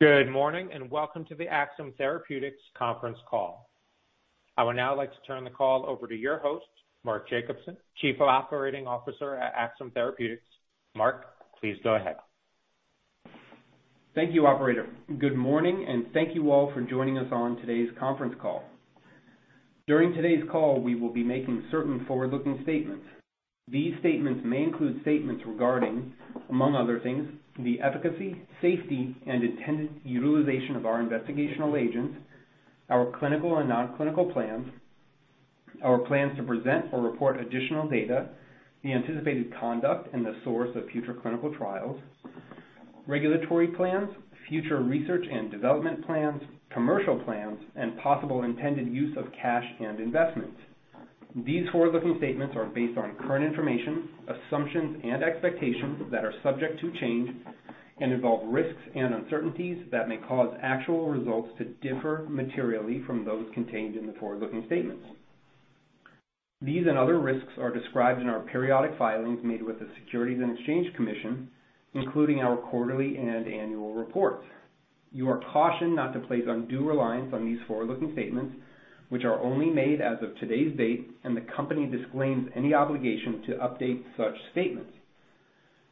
Good morning, and welcome to the Axsome Therapeutics conference call. I would now like to turn the call over to your host, Mark Jacobson, Chief Operating Officer at Axsome Therapeutics. Mark, please go ahead. Thank you, operator. Good morning, and thank you all for joining us on today's conference call. During today's call, we will be making certain forward-looking statements. These statements may include statements regarding, among other things, the efficacy, safety, and intended utilization of our investigational agents, our clinical and non-clinical plans, our plans to present or report additional data, the anticipated conduct and the source of future clinical trials, regulatory plans, future research and development plans, commercial plans, and possible intended use of cash and investments. These forward-looking statements are based on current information, assumptions and expectations that are subject to change and involve risks and uncertainties that may cause actual results to differ materially from those contained in the forward-looking statements. These and other risks are described in our periodic filings made with the Securities and Exchange Commission, including our quarterly and annual reports. You are cautioned not to place undue reliance on these forward-looking statements, which are only made as of today's date, and the company disclaims any obligation to update such statements.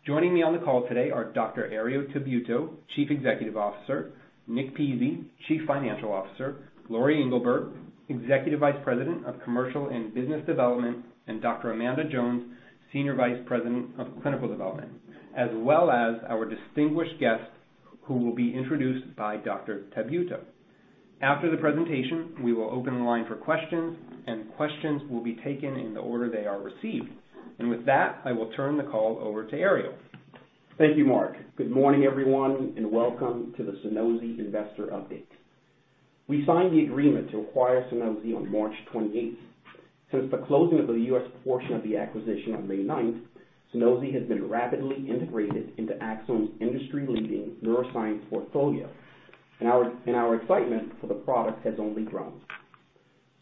Joining me on the call today are Dr. Herriot Tabuteau, Chief Executive Officer, Nick Pizzie, Chief Financial Officer, Lori Englebert, Executive Vice President of Commercial and Business Development, and Dr. Amanda Jones, Senior Vice President of Clinical Development, as well as our distinguished guests who will be introduced by Dr. Tabuteau. After the presentation, we will open the line for questions, and questions will be taken in the order they are received. With that, I will turn the call over to Herriot. Thank you, Mark. Good morning, everyone, and welcome to the Sunosi investor update. We signed the agreement to acquire Sunosi on March twenty-eighth. Since the closing of the U.S. portion of the acquisition on May ninth, Sunosi has been rapidly integrated into Axsome's industry-leading neuroscience portfolio and our excitement for the product has only grown.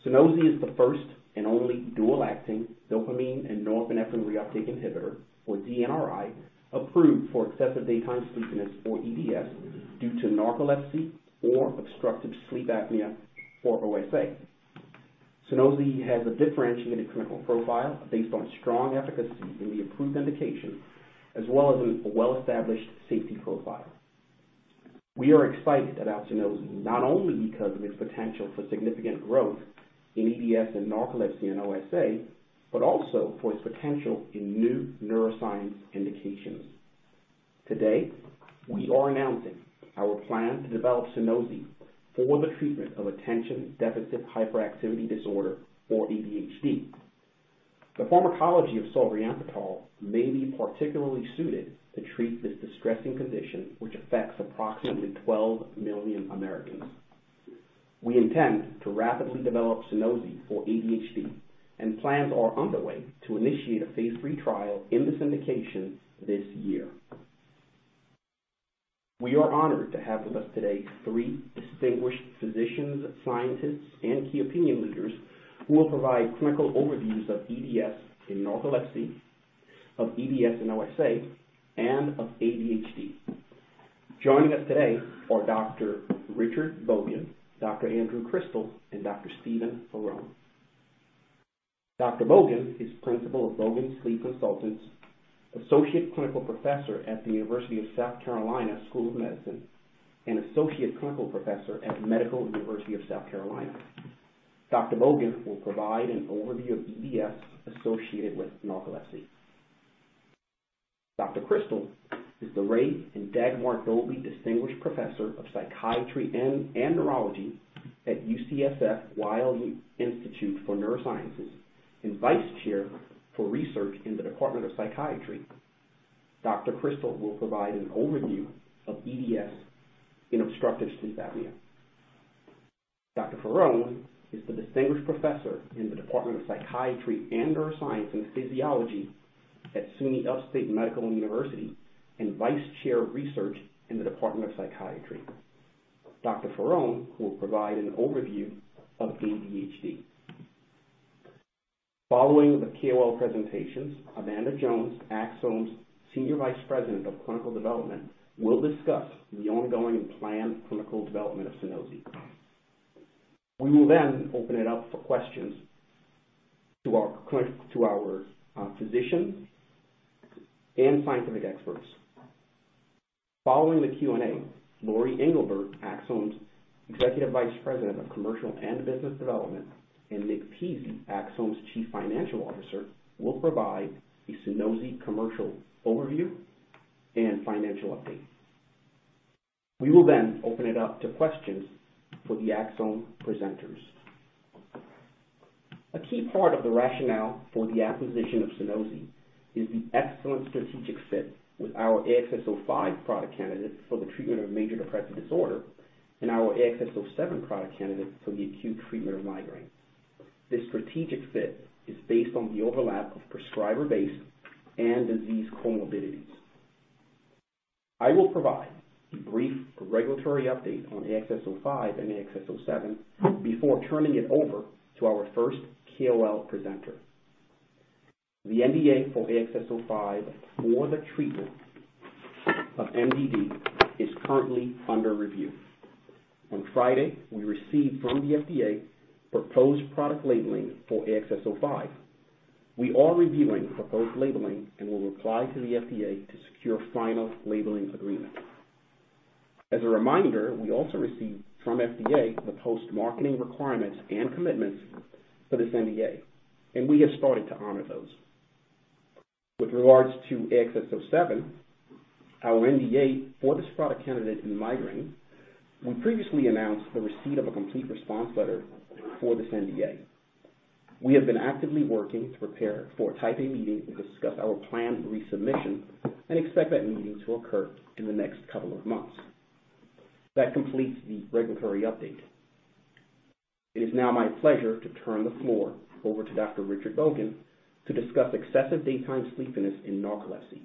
Sunosi is the first and only dual-acting dopamine and norepinephrine reuptake inhibitor, or DNRI, approved for excessive daytime sleepiness, or EDS, due to narcolepsy or obstructive sleep apnea, or OSA. Sunosi has a differentiated clinical profile based on strong efficacy in the approved indications as well as a well-established safety profile. We are excited about Sunosi not only because of its potential for significant growth in EDS and narcolepsy and OSA, but also for its potential in new neuroscience indications. Today, we are announcing our plan to develop Sunosi for the treatment of attention deficit hyperactivity disorder, or ADHD. The pharmacology of solriamfetol may be particularly suited to treat this distressing condition, which affects approximately 12 million Americans. We intend to rapidly develop Sunosi for ADHD and plans are underway to initiate a phase III trial in this indication this year. We are honored to have with us today three distinguished physicians, scientists, and key opinion leaders who will provide clinical overviews of EDS in narcolepsy, of EDS and OSA, and of ADHD. Joining us today are Dr. Richard Bogan, Dr. Andrew Krystal, and Dr. Stephen Faraone. Dr. Bogan is Principal of Bogan Sleep Consultants, Associate Clinical Professor at the University of South Carolina School of Medicine, and Associate Clinical Professor at Medical University of South Carolina. Dr. Bogan will provide an overview of EDS associated with narcolepsy. Dr. Krystal is the Ray and Dagmar Dolby Distinguished Professor of Psychiatry and Neurology at UCSF Weill Institute for Neurosciences and Vice Chair for Research in the Department of Psychiatry. Dr. Krystal will provide an overview of EDS in obstructive sleep apnea. Dr. Faraone is the Distinguished Professor in the Department of Psychiatry and Neuroscience and Physiology at SUNY Upstate Medical University and Vice Chair of Research in the Department of Psychiatry. Dr. Faraone will provide an overview of ADHD. Following the KOL presentations, Amanda Jones, Axsome's Senior Vice President of Clinical Development, will discuss the ongoing and planned clinical development of Sunosi. We will then open it up for questions to our physicians and scientific experts. Following the Q&A, Lori Englebert, Axsome's Executive Vice President of Commercial and Business Development, and Nick Pizzie, Axsome's Chief Financial Officer, will provide a Sunosi commercial overview and financial update. We will then open it up to questions for the Axsome presenters. A key part of the rationale for the acquisition of Sunosi is the excellent strategic fit with our AXS-05 product candidate for the treatment of major depressive disorder and our AXS-07 product candidate for the acute treatment of migraine. This strategic fit is based on the overlap of prescriber base and disease comorbidities. I will provide a brief regulatory update on AXS-05 and AXS-07 before turning it over to our first KOL presenter. The NDA for AXS-05 for the treatment of MDD is currently under review. On Friday, we received from the FDA proposed product labeling for AXS-05. We are reviewing proposed labeling and will reply to the FDA to secure final labeling agreement. As a reminder, we also received from FDA the postmarketing requirements and commitments for this NDA, and we have started to honor those. With regards to AXS-07, our NDA for this product candidate in migraine, we previously announced the receipt of a complete response letter for this NDA. We have been actively working to prepare for a Type A meeting to discuss our planned resubmission and expect that meeting to occur in the next couple of months. That completes the regulatory update. It is now my pleasure to turn the floor over to Dr. Richard Bogan to discuss excessive daytime sleepiness in narcolepsy.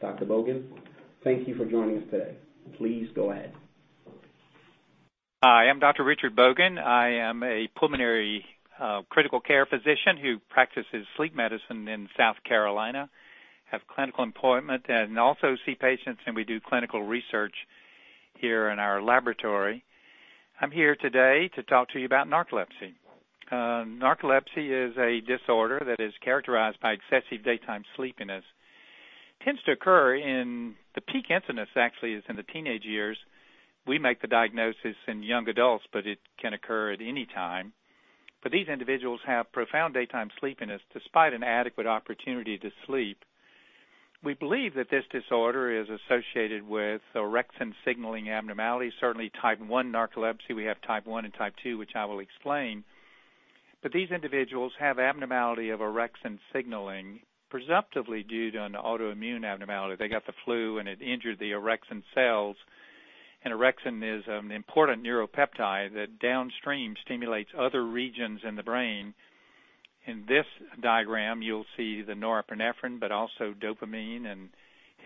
Dr. Bogan, thank you for joining us today. Please go ahead. I am Dr. Richard Bogan. I am a pulmonary, critical care physician who practices sleep medicine in South Carolina, have clinical employment and also see patients, and we do clinical research here in our laboratory. I'm here today to talk to you about narcolepsy. Narcolepsy is a disorder that is characterized by excessive daytime sleepiness. The peak incidence actually is in the teenage years. We make the diagnosis in young adults, but it can occur at any time. These individuals have profound daytime sleepiness despite an adequate opportunity to sleep. We believe that this disorder is associated with orexin signaling abnormalities, certainly type one narcolepsy. We have type one and type two, which I will explain, but these individuals have abnormality of orexin signaling, presumptively due to an autoimmune abnormality. They got the flu, and it injured the orexin cells. An orexin is an important neuropeptide that downstream stimulates other regions in the brain. In this diagram, you'll see the norepinephrine, but also dopamine and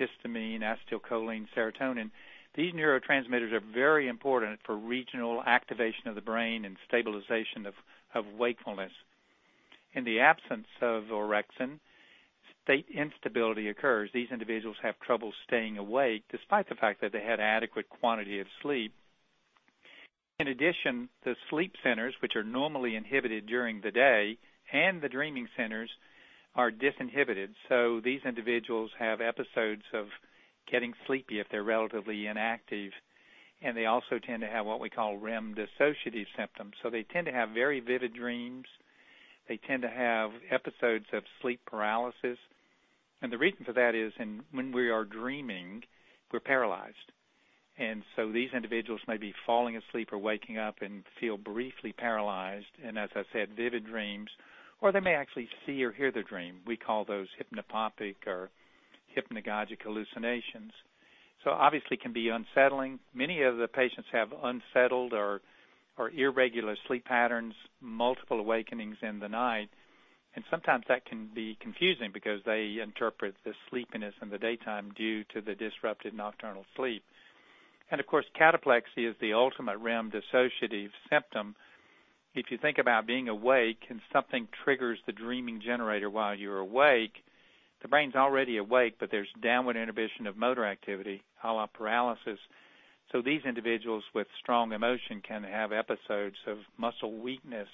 histamine, acetylcholine, serotonin. These neurotransmitters are very important for regional activation of the brain and stabilization of wakefulness. In the absence of orexin, state instability occurs. These individuals have trouble staying awake, despite the fact that they had adequate quantity of sleep. In addition, the sleep centers, which are normally inhibited during the day, and the dreaming centers are disinhibited, so these individuals have episodes of getting sleepy if they're relatively inactive. They also tend to have what we call REM dissociative symptoms. They tend to have very vivid dreams. They tend to have episodes of sleep paralysis. The reason for that is when we are dreaming, we're paralyzed. These individuals may be falling asleep or waking up and feel briefly paralyzed and, as I said, vivid dreams. They may actually see or hear the dream. We call those hypnopompic or hypnagogic hallucinations. Obviously can be unsettling. Many of the patients have unsettled or irregular sleep patterns, multiple awakenings in the night. Sometimes that can be confusing because they interpret the sleepiness in the daytime due to the disrupted nocturnal sleep. Of course, cataplexy is the ultimate REM dissociative symptom. If you think about being awake and something triggers the dreaming generator while you're awake, the brain's already awake, but there's downward inhibition of motor activity, a paralysis. These individuals with strong emotion can have episodes of muscle weakness,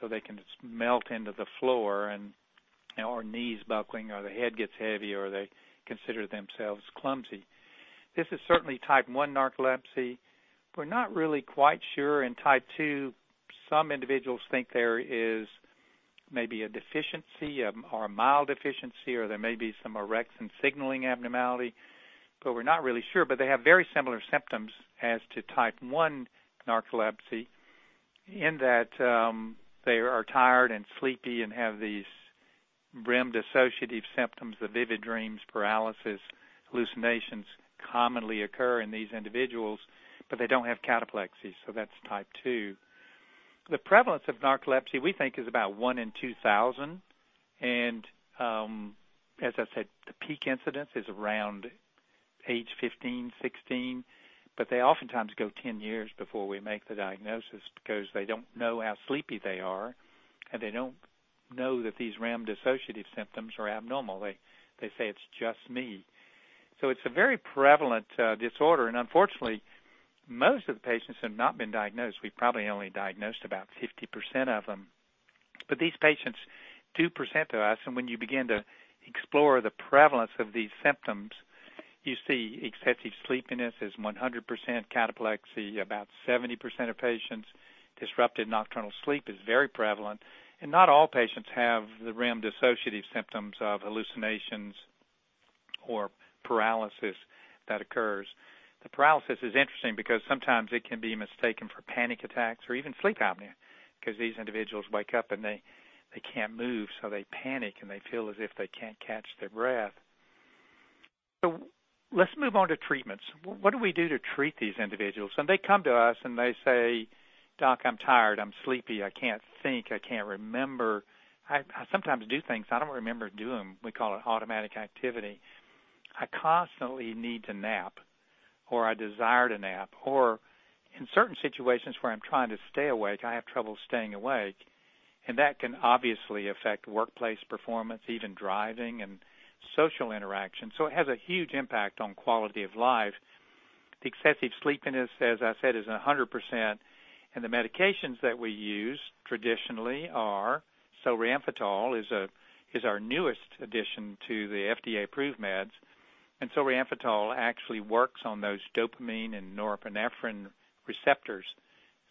so they can just melt into the floor and or knees buckling or the head gets heavy, or they consider themselves clumsy. This is certainly Type 1 narcolepsy. We're not really quite sure about Type 2. Some individuals think there is maybe a deficiency or a mild deficiency, or there may be some orexin signaling abnormality, but we're not really sure. They have very similar symptoms as in Type 1 narcolepsy in that they are tired and sleepy and have these REM dissociative symptoms. The vivid dreams, paralysis, hallucinations commonly occur in these individuals, but they don't have cataplexy, so that's Type 2. The prevalence of narcolepsy, we think, is about 1 in 2,000. As I said, the peak incidence is around age 15, 16, but they oftentimes go 10 years before we make the diagnosis because they don't know how sleepy they are, and they don't know that these REM dissociative symptoms are abnormal. They say, "It's just me." It's a very prevalent disorder, and unfortunately, most of the patients have not been diagnosed. We've probably only diagnosed about 50% of them, but these patients do present to us. When you begin to explore the prevalence of these symptoms, you see excessive sleepiness is 100% cataplexy. About 70% of patients, disrupted nocturnal sleep is very prevalent. Not all patients have the REM dissociative symptoms of hallucinations or paralysis that occurs. The paralysis is interesting because sometimes it can be mistaken for panic attacks or even sleep apnea because these individuals wake up, and they can't move, so they panic, and they feel as if they can't catch their breath. Let's move on to treatments. What do we do to treat these individuals? They come to us and they say, "Doc, I'm tired, I'm sleepy, I can't think, I can't remember. I sometimes do things, I don't remember doing them." We call it automatic activity. "I constantly need to nap." Or I desired a nap, or in certain situations where I'm trying to stay awake, I have trouble staying awake. That can obviously affect workplace performance, even driving and social interaction. It has a huge impact on quality of life. The excessive sleepiness, as I said, is 100%. The medications that we use traditionally are Solriamfetol, our newest addition to the FDA-approved meds. Solriamfetol actually works on those dopamine and norepinephrine receptors.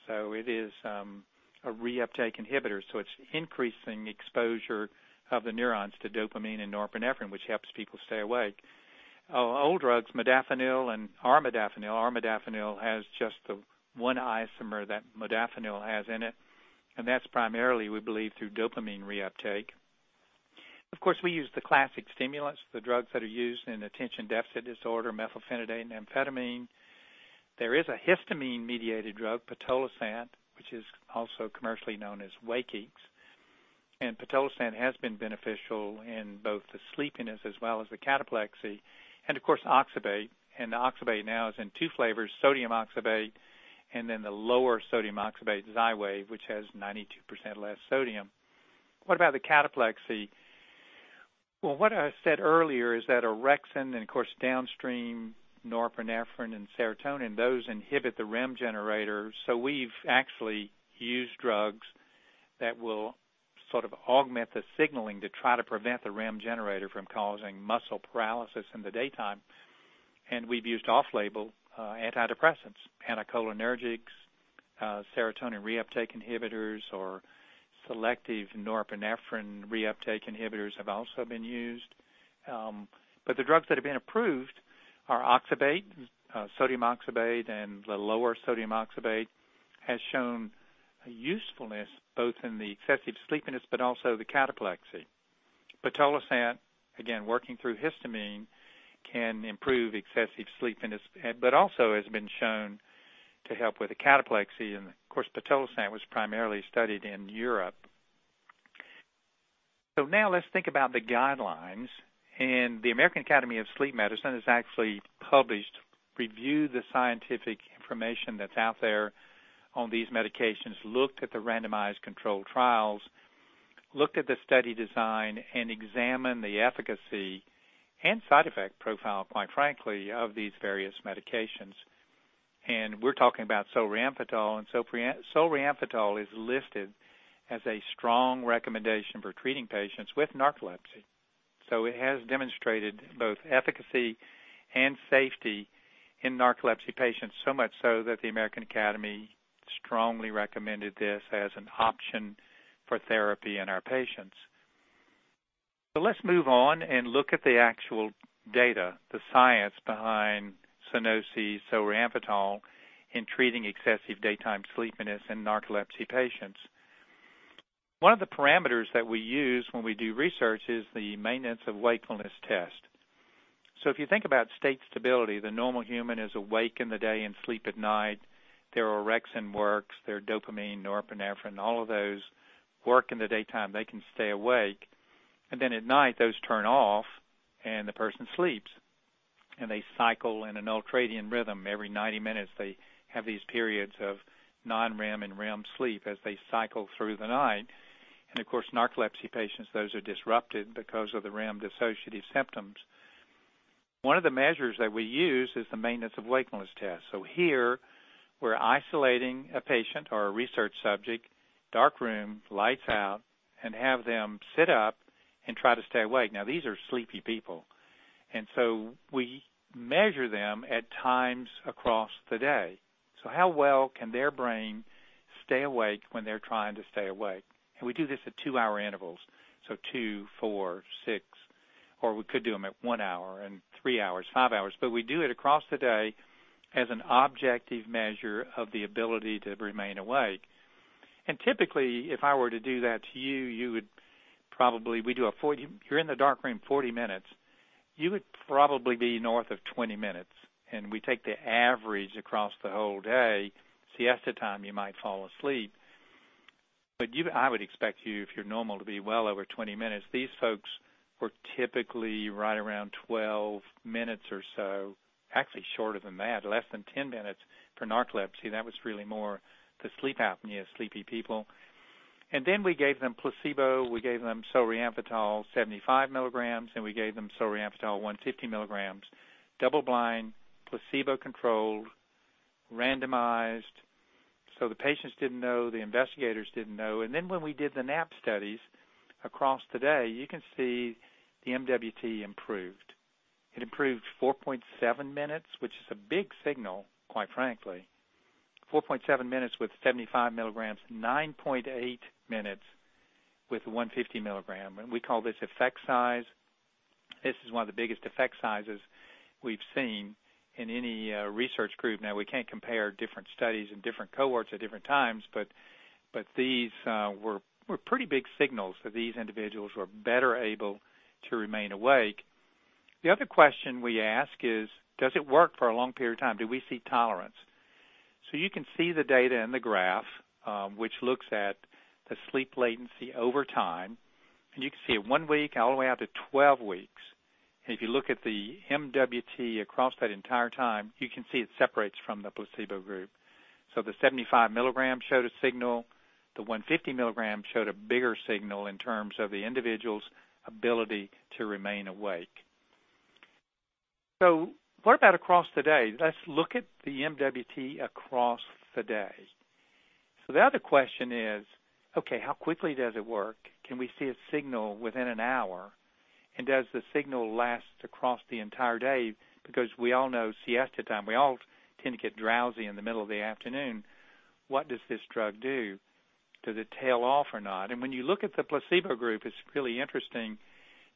It is a reuptake inhibitor, so it's increasing exposure of the neurons to dopamine and norepinephrine, which helps people stay awake. Old drugs, Modafinil and Armodafinil. Armodafinil has just the one isomer that Modafinil has in it, and that's primarily, we believe, through dopamine reuptake. Of course, we use the classic stimulants, the drugs that are used in attention deficit disorder, methylphenidate and amphetamine. There is a histamine-mediated drug, Pitolisant, which is also commercially known as Wakix. Pitolisant has been beneficial in both the sleepiness as well as the cataplexy. Of course, Oxybate and Oxybate now is in two flavors, sodium Oxybate and then the lower sodium Oxybate Xywav, which has 92% less sodium. What about the cataplexy? Well, what I said earlier is that orexin and of course downstream norepinephrine and serotonin, those inhibit the REM generator. We've actually used drugs that will sort of augment the signaling to try to prevent the REM generator from causing muscle paralysis in the daytime. We've used off-label antidepressants, anticholinergics, serotonin reuptake inhibitors, or selective norepinephrine reuptake inhibitors have also been used. The drugs that have been approved are oxybate, sodium oxybate, and the lower sodium oxybate has shown a usefulness both in the excessive sleepiness but also the cataplexy. Pitolisant, again, working through histamine, can improve excessive sleepiness, but also has been shown to help with the cataplexy. Of course, Pitolisant was primarily studied in Europe. Now let's think about the guidelines. The American Academy of Sleep Medicine has actually published, reviewed the scientific information that's out there on these medications, looked at the randomized controlled trials, looked at the study design, and examined the efficacy and side effect profile, quite frankly, of these various medications. We're talking about Solriamfetol. Solriamfetol is listed as a strong recommendation for treating patients with narcolepsy. It has demonstrated both efficacy and safety in narcolepsy patients, so much so that the American Academy strongly recommended this as an option for therapy in our patients. Let's move on and look at the actual data, the science behind Sunosi solriamfetol in treating excessive daytime sleepiness in narcolepsy patients. One of the parameters that we use when we do research is the maintenance of wakefulness test. If you think about state stability, the normal human is awake in the day and sleep at night. Their orexin works, their dopamine, norepinephrine, all of those work in the daytime. They can stay awake, and then at night those turn off and the person sleeps, and they cycle in an ultradian rhythm. Every 90 minutes, they have these periods of non-REM and REM sleep as they cycle through the night. Of course, narcolepsy patients, those are disrupted because of the REM dissociative symptoms. One of the measures that we use is the maintenance of wakefulness test. Here we're isolating a patient or a research subject, dark room, lights out, and have them sit up and try to stay awake. Now, these are sleepy people, and so we measure them at times across the day. How well can their brain stay awake when they're trying to stay awake? We do this at two-hour intervals, so two, four, six. We could do them at one hour and three hours, five hours. We do it across the day as an objective measure of the ability to remain awake. Typically, if I were to do that to you would probably be in the dark room 40 minutes. You would probably be north of 20 minutes. We take the average across the whole day. Siesta time, you might fall asleep, but I would expect you, if you're normal, to be well over 20 minutes. These folks were typically right around 12 minutes or so. Actually shorter than that, less than 10 minutes for narcolepsy. That was really more the sleep apnea, sleepy people. We gave them placebo. We gave them Solriamfetol 75 milligrams, and we gave them Solriamfetol 150 milligrams. Double blind, placebo-controlled, randomized, so the patients didn't know, the investigators didn't know. When we did the nap studies across the day, you can see the MWT improved. It improved 4.7 minutes, which is a big signal, quite frankly. 4.7 minutes with 75 milligrams, 9.8 minutes with 150 milligram. We call this effect size. This is one of the biggest effect sizes we've seen in any research group. Now, we can't compare different studies and different cohorts at different times, but these were pretty big signals that these individuals were better able to remain awake. The other question we ask is, does it work for a long period of time? Do we see tolerance? You can see the data in the graph, which looks at the sleep latency over time, and you can see it one week all the way out to 12 weeks. If you look at the MWT across that entire time, you can see it separates from the placebo group. The 75 milligrams showed a signal. The 150 milligrams showed a bigger signal in terms of the individual's ability to remain awake. What about across the day? Let's look at the MWT across the day. The other question is, okay, how quickly does it work? Can we see a signal within an hour? Does the signal last across the entire day? Because we all know siesta time, we all tend to get drowsy in the middle of the afternoon. What does this drug do? Does it tail off or not? When you look at the placebo group, it's really interesting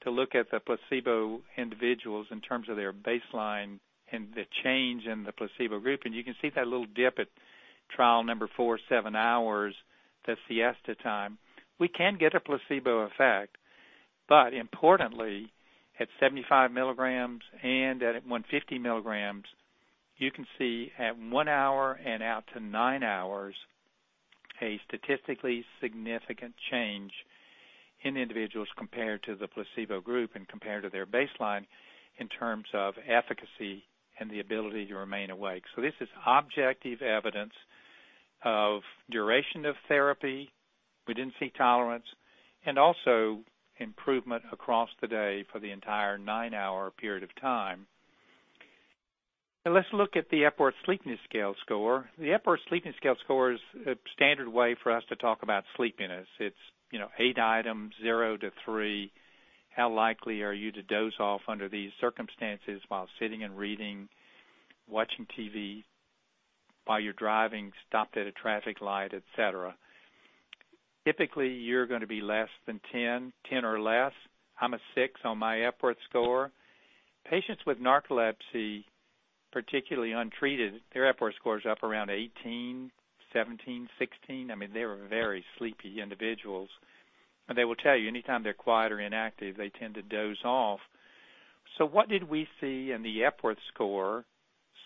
to look at the placebo individuals in terms of their baseline and the change in the placebo group. You can see that little dip at trial number four, seven hours, the siesta time. We can get a placebo effect, but importantly, at 75 milligrams and at 150 milligrams, you can see at one hour and out to nine hours a statistically significant change in individuals compared to the placebo group and compared to their baseline in terms of efficacy and the ability to remain awake. This is objective evidence of duration of therapy. We didn't see tolerance and also improvement across the day for the entire nine-hour period of time. Now let's look at the Epworth Sleepiness Scale score. The Epworth Sleepiness Scale score is a standard way for us to talk about sleepiness. It's, you know, eight items, 0 to 3. How likely are you to doze off under these circumstances while sitting and reading, watching TV, while you're driving, stopped at a traffic light, et cetera? Typically, you're gonna be less than 10 or less. I'm a six on my Epworth score. Patients with narcolepsy, particularly untreated, their Epworth score is up around 18, 17, 16. I mean, they are very sleepy individuals, and they will tell you anytime they're quiet or inactive, they tend to doze off. What did we see in the Epworth Score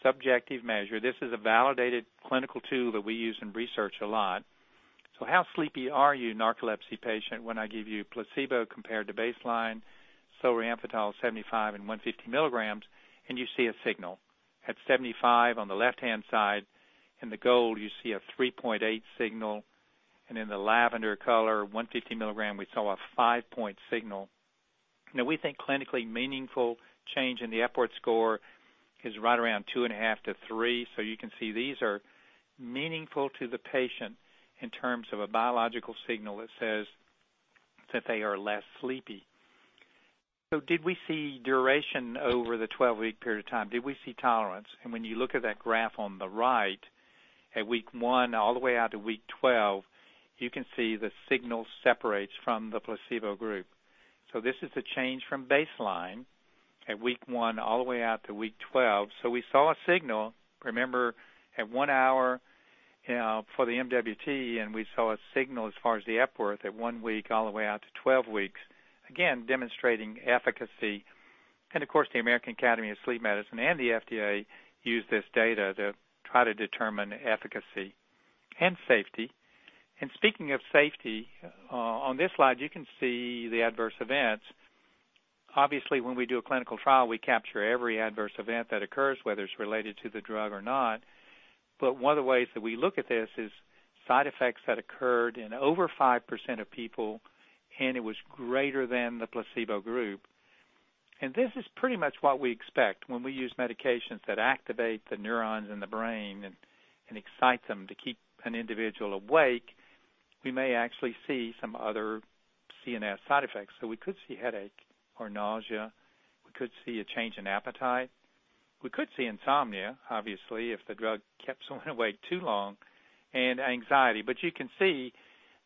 subjective measure? This is a validated clinical tool that we use in research a lot. How sleepy are you, narcolepsy patient, when I give you placebo compared to baseline, Solriamfetol 75 and 150 milligrams, and you see a signal. At 75 on the left-hand side. In the gold, you see a 3.8 signal, and in the lavender color, 150 milligram, we saw a 5-point signal. Now we think clinically meaningful change in the Epworth score is right around 2.5-3. You can see these are meaningful to the patient in terms of a biological signal that says that they are less sleepy. Did we see duration over the 12-week period of time? Did we see tolerance? When you look at that graph on the right, at week one all the way out to week 12, you can see the signal separates from the placebo group. This is the change from baseline at week one all the way out to week 12. We saw a signal, remember, at one hour for the MWT, and we saw a signal as far as the Epworth at one week all the way out to 12 weeks, again demonstrating efficacy. Of course, the American Academy of Sleep Medicine and the FDA use this data to try to determine efficacy and safety. Speaking of safety, on this slide, you can see the adverse events. Obviously, when we do a clinical trial, we capture every adverse event that occurs, whether it's related to the drug or not. One of the ways that we look at this is side effects that occurred in over 5% of people, and it was greater than the placebo group. This is pretty much what we expect when we use medications that activate the neurons in the brain and excite them to keep an individual awake. We may actually see some other CNS side effects. We could see headache or nausea. We could see a change in appetite. We could see insomnia, obviously, if the drug kept someone awake too long, and anxiety. You can see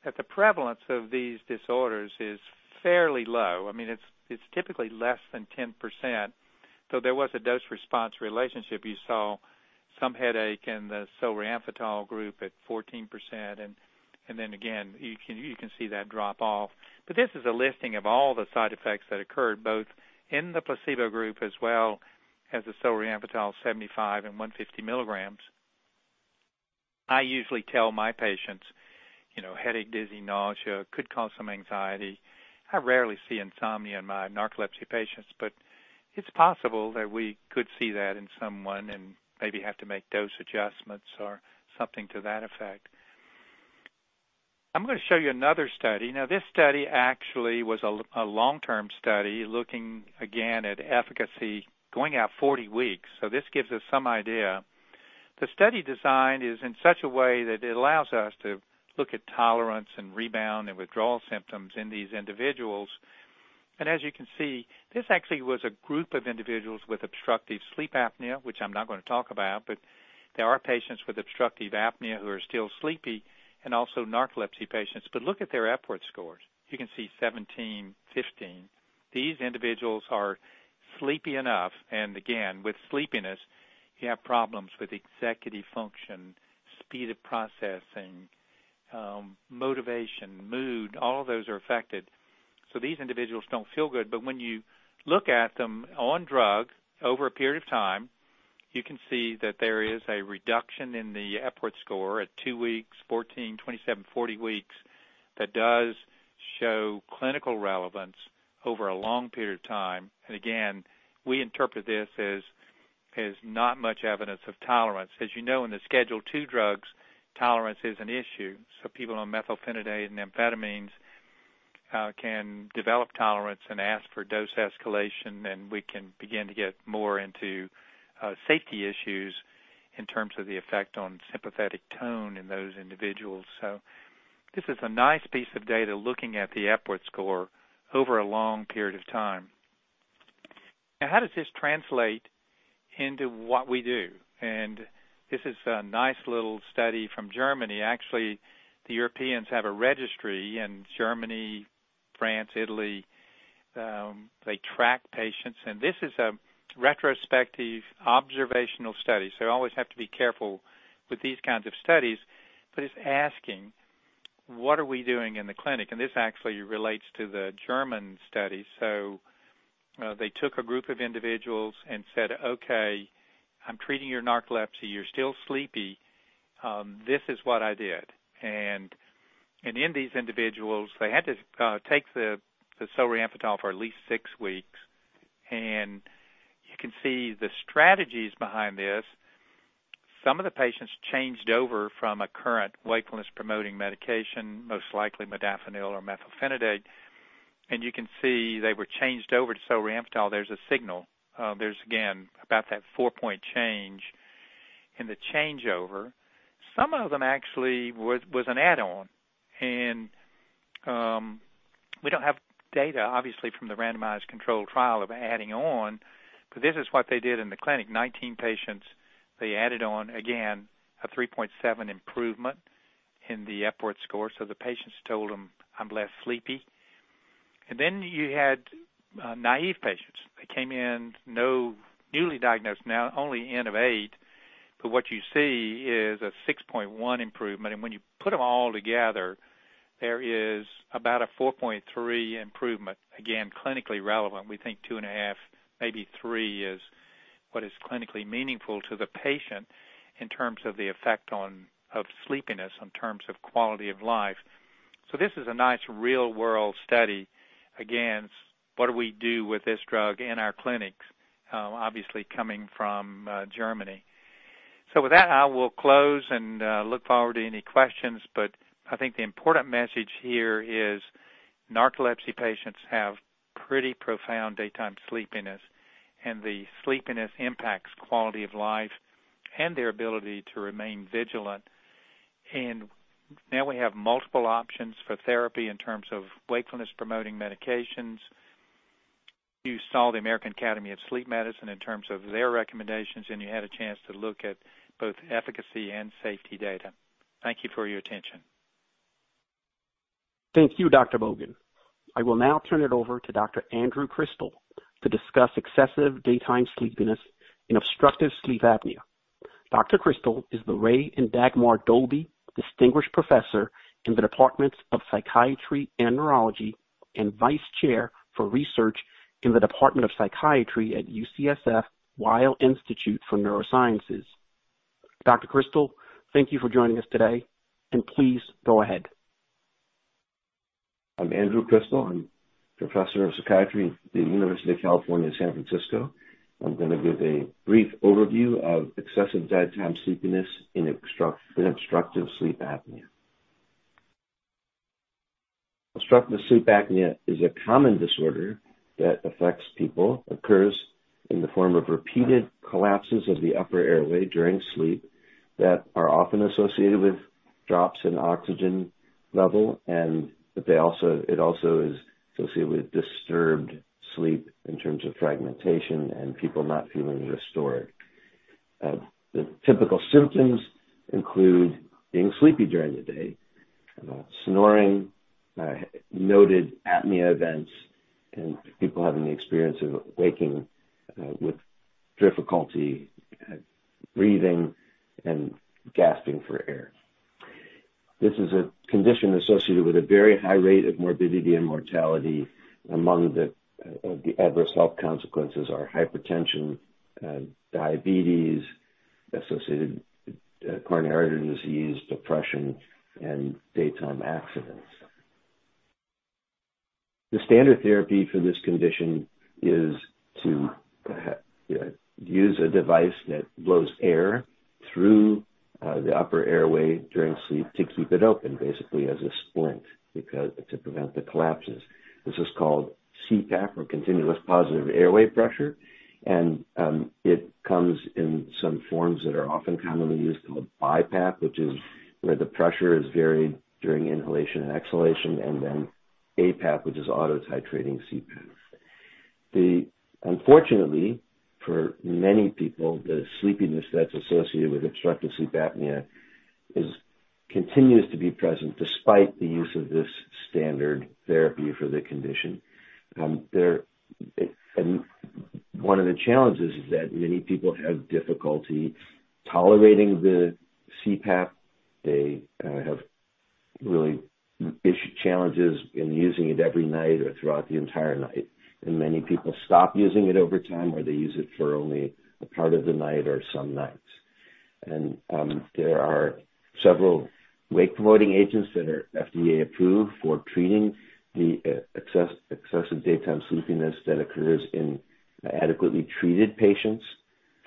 that the prevalence of these disorders is fairly low. I mean, it's typically less than 10%. There was a dose-response relationship. You saw some headache in the Solriamfetol group at 14% and then again, you can see that drop off. This is a listing of all the side effects that occurred both in the placebo group as well as the Solriamfetol 75 and 150 milligrams. I usually tell my patients, you know, headache, dizzy, nausea, could cause some anxiety. I rarely see insomnia in my narcolepsy patients, but it's possible that we could see that in someone and maybe have to make dose adjustments or something to that effect. I'm gonna show you another study. Now, this study actually was a long-term study looking again at efficacy going out 40 weeks, so this gives us some idea. The study design is in such a way that it allows us to look at tolerance and rebound and withdrawal symptoms in these individuals. As you can see, this actually was a group of individuals with obstructive sleep apnea, which I'm not gonna talk about, but there are patients with obstructive apnea who are still sleepy and also narcolepsy patients. Look at their Epworth scores. You can see 17, 15. These individuals are sleepy enough, and again, with sleepiness, you have problems with executive function, speed of processing, motivation, mood, all of those are affected. These individuals don't feel good. When you look at them on drug over a period of time, you can see that there is a reduction in the Epworth score at two weeks, 14, 27, 40 weeks that does show clinical relevance over a long period of time. Again, we interpret this as not much evidence of tolerance. As you know, in the Schedule II drugs, tolerance is an issue. People on methylphenidate and amphetamines can develop tolerance and ask for dose escalation, and we can begin to get more into safety issues in terms of the effect on sympathetic tone in those individuals. This is a nice piece of data looking at the Epworth score over a long period of time. Now, how does this translate into what we do? This is a nice little study from Germany. Actually, the Europeans have a registry in Germany, France, Italy. They track patients, and this is a retrospective observational study. You always have to be careful with these kinds of studies, but it's asking what are we doing in the clinic? This actually relates to the German study. They took a group of individuals and said, "Okay, I'm treating your narcolepsy. You're still sleepy. This is what I did." In these individuals, they had to take the Solriamfetol for at least six weeks. You can see the strategies behind this. Some of the patients changed over from a current wakefulness promoting medication, most likely Modafinil or methylphenidate. You can see they were changed over to Solriamfetol. There's a signal. There's again about that 4-point change in the changeover. Some of them actually was an add-on. We don't have data, obviously, from the randomized controlled trial of adding on, but this is what they did in the clinic. 19 patients, they added on, again, a 3.7-point improvement in the Epworth score. The patients told them, "I'm less sleepy." You had naive patients. They came in newly diagnosed narcolepsy. What you see is a 6.1 improvement. When you put them all together, there is about a 4.3 improvement. Again, clinically relevant. We think 2.5, maybe 3 is what is clinically meaningful to the patient in terms of the effect on, of sleepiness, in terms of quality of life. This is a nice real-world study. Again, what do we do with this drug in our clinics? Obviously coming from Germany. With that, I will close and look forward to any questions. I think the important message here is narcolepsy patients have pretty profound daytime sleepiness, and the sleepiness impacts quality of life and their ability to remain vigilant. Now we have multiple options for therapy in terms of wakefulness-promoting medications. You saw the American Academy of Sleep Medicine in terms of their recommendations, and you had a chance to look at both efficacy and safety data. Thank you for your attention. Thank you, Dr. Bogan. I will now turn it over to Dr. Andrew Krystal to discuss excessive daytime sleepiness in obstructive sleep apnea. Dr. Krystal is the Ray and Dagmar Dolby Distinguished Professor in the Departments of Psychiatry and Neurology and Vice Chair for Research in the Department of Psychiatry at UCSF Weill Institute for Neurosciences. Dr. Krystal, thank you for joining us today, and please go ahead. I'm Andrew Krystal. I'm Professor of Psychiatry at the University of California, San Francisco. I'm gonna give a brief overview of excessive daytime sleepiness in obstructive sleep apnea. Obstructive sleep apnea is a common disorder that affects people, occurs in the form of repeated collapses of the upper airway during sleep that are often associated with drops in oxygen level, and it also is associated with disturbed sleep in terms of fragmentation and people not feeling restored. The typical symptoms include being sleepy during the day, snoring, noted apnea events, and people having the experience of waking with difficulty breathing and gasping for air. This is a condition associated with a very high rate of morbidity and mortality. Among the adverse health consequences are hypertension, diabetes, associated coronary artery disease, depression, and daytime accidents. The standard therapy for this condition is to use a device that blows air through the upper airway during sleep to keep it open, basically as a splint to prevent the collapses. This is called CPAP or continuous positive airway pressure. It comes in some forms that are often commonly used called BiPAP, which is where the pressure is varied during inhalation and exhalation, and then APAP, which is auto-titrating CPAP. Unfortunately for many people, the sleepiness that's associated with obstructive sleep apnea continues to be present despite the use of this standard therapy for the condition. One of the challenges is that many people have difficulty tolerating the CPAP. They have real issues and challenges in using it every night or throughout the entire night. Many people stop using it over time, or they use it for only a part of the night or some nights. There are several wake-promoting agents that are FDA-approved for treating the excessive daytime sleepiness that occurs in adequately treated patients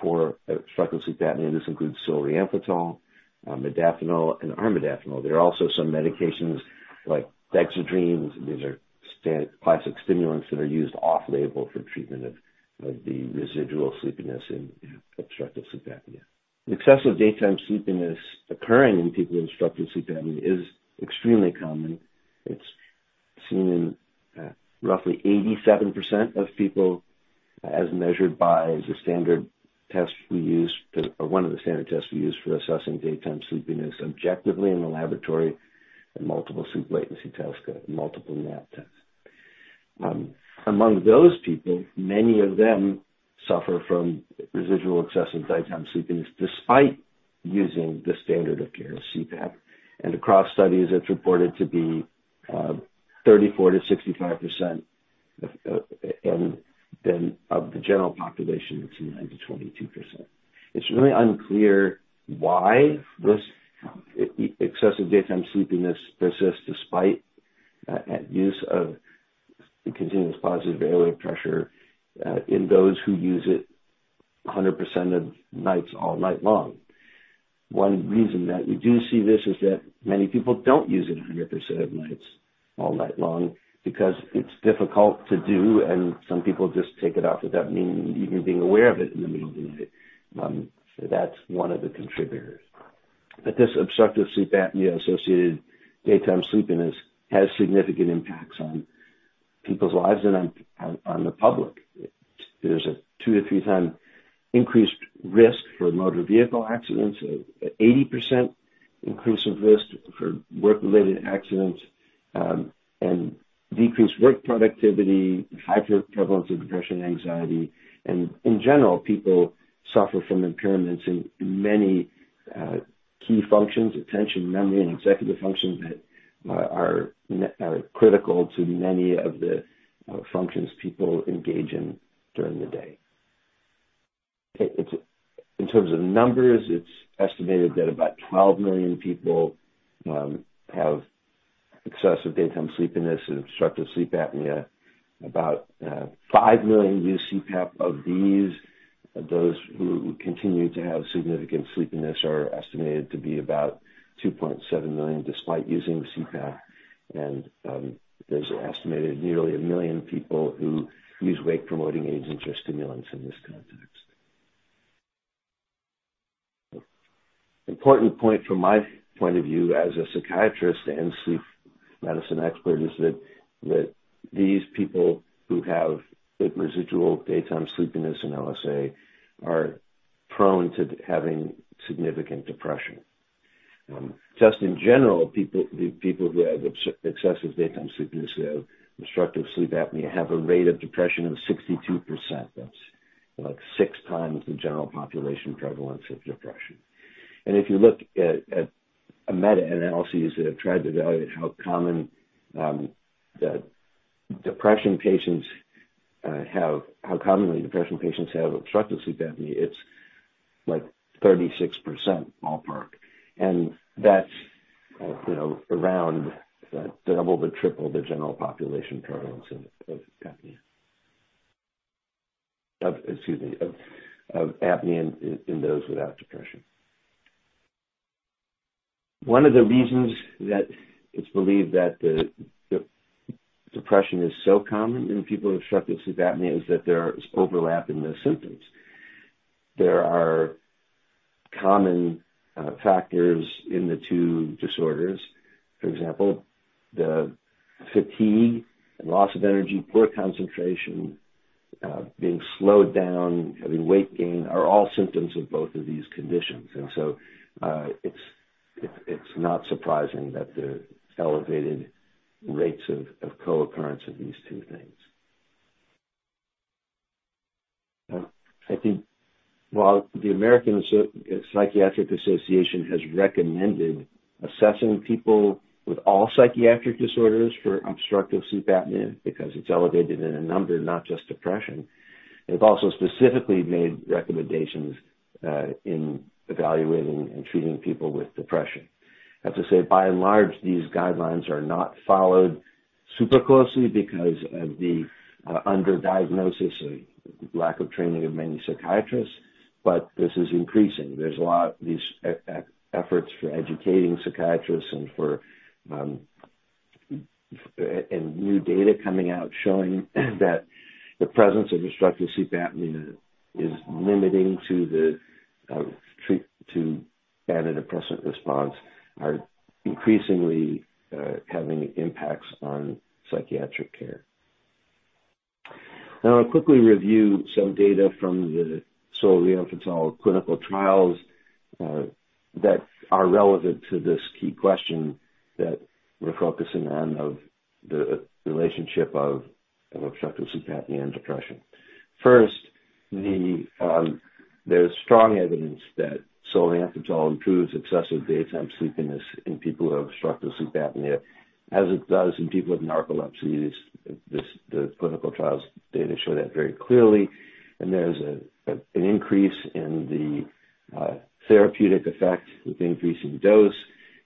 for obstructive sleep apnea. This includes solriamfetol, modafinil and armodafinil. There are also some medications like dexedrine. These are classic stimulants that are used off-label for treatment of the residual sleepiness in obstructive sleep apnea. Excessive daytime sleepiness occurring in people with obstructive sleep apnea is extremely common. It's seen in roughly 87% of people as measured by the standard tests we use, or one of the standard tests we use for assessing daytime sleepiness objectively in the laboratory and multiple sleep latency test, multiple nap tests. Among those people, many of them suffer from residual excessive daytime sleepiness despite using the standard of care, CPAP. Across studies, it's reported to be 34%-65% of. Of the general population, it's 9%-22%. It's really unclear why this excessive daytime sleepiness persists despite use of continuous positive airway pressure in those who use it 100% of nights all night long. One reason that we do see this is that many people don't use it a 100% of nights all night long because it's difficult to do, and some people just take it off without even being aware of it in the middle of the night. That's one of the contributors. This obstructive sleep apnea-associated daytime sleepiness has significant impacts on people's lives and on the public. There's a 2-3 times increased risk for motor vehicle accidents, 80% increase of risk for work-related accidents, and decreased work productivity, high prevalence of depression, anxiety. In general, people suffer from impairments in many key functions: attention, memory, and executive functions that are critical to many of the functions people engage in during the day. In terms of numbers, it's estimated that about 12 million people have excessive daytime sleepiness and obstructive sleep apnea. About 5 million use CPAP. Of these, those who continue to have significant sleepiness are estimated to be about 2.7 million, despite using CPAP. There's an estimated nearly 1 million people who use wake-promoting agents or stimulants in this context. Important point from my point of view as a psychiatrist and sleep medicine expert is that these people who have residual daytime sleepiness and OSA are prone to having significant depression. Just in general, people who have excessive daytime sleepiness who have obstructive sleep apnea have a rate of depression of 62%. That's like six times the general population prevalence of depression. If you look at meta-analyses that have tried to evaluate how commonly depression patients have obstructive sleep apnea, it's like 36% ballpark. That's around double to triple the general population prevalence of apnea in those without depression. One of the reasons that it's believed that the depression is so common in people with obstructive sleep apnea is that there is overlap in the symptoms. There are common factors in the two disorders. For example, the fatigue and loss of energy, poor concentration, being slowed down, having weight gain are all symptoms of both of these conditions. It's not surprising that there are elevated rates of co-occurrence of these two things. I think while the American Psychiatric Association has recommended assessing people with all psychiatric disorders for obstructive sleep apnea because it's elevated in a number, not just depression. It's also specifically made recommendations in evaluating and treating people with depression. I have to say, by and large, these guidelines are not followed super closely because of the underdiagnosis or lack of training of many psychiatrists, but this is increasing. There's a lot of these efforts for educating psychiatrists and new data coming out showing that the presence of obstructive sleep apnea is limiting the antidepressant response, are increasingly having impacts on psychiatric care. Now, I'll quickly review some data from the solriamfetol clinical trials that are relevant to this key question that we're focusing on of the relationship of obstructive sleep apnea and depression. First, there's strong evidence that solriamfetol improves excessive daytime sleepiness in people who have obstructive sleep apnea, as it does in people with narcolepsy. The clinical trials data show that very clearly, and there's an increase in the therapeutic effect with increasing dose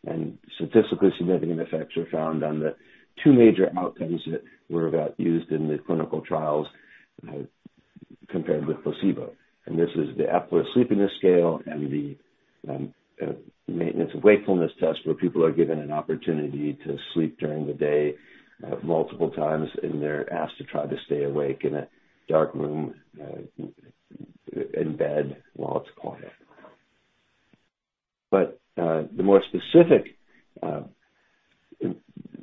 and statistically significant effects are found on the two major outcomes that were used in the clinical trials compared with placebo. This is the Epworth Sleepiness Scale and the Maintenance of Wakefulness Test, where people are given an opportunity to sleep during the day multiple times, and they're asked to try to stay awake in a dark room in bed while it's quiet. The more specific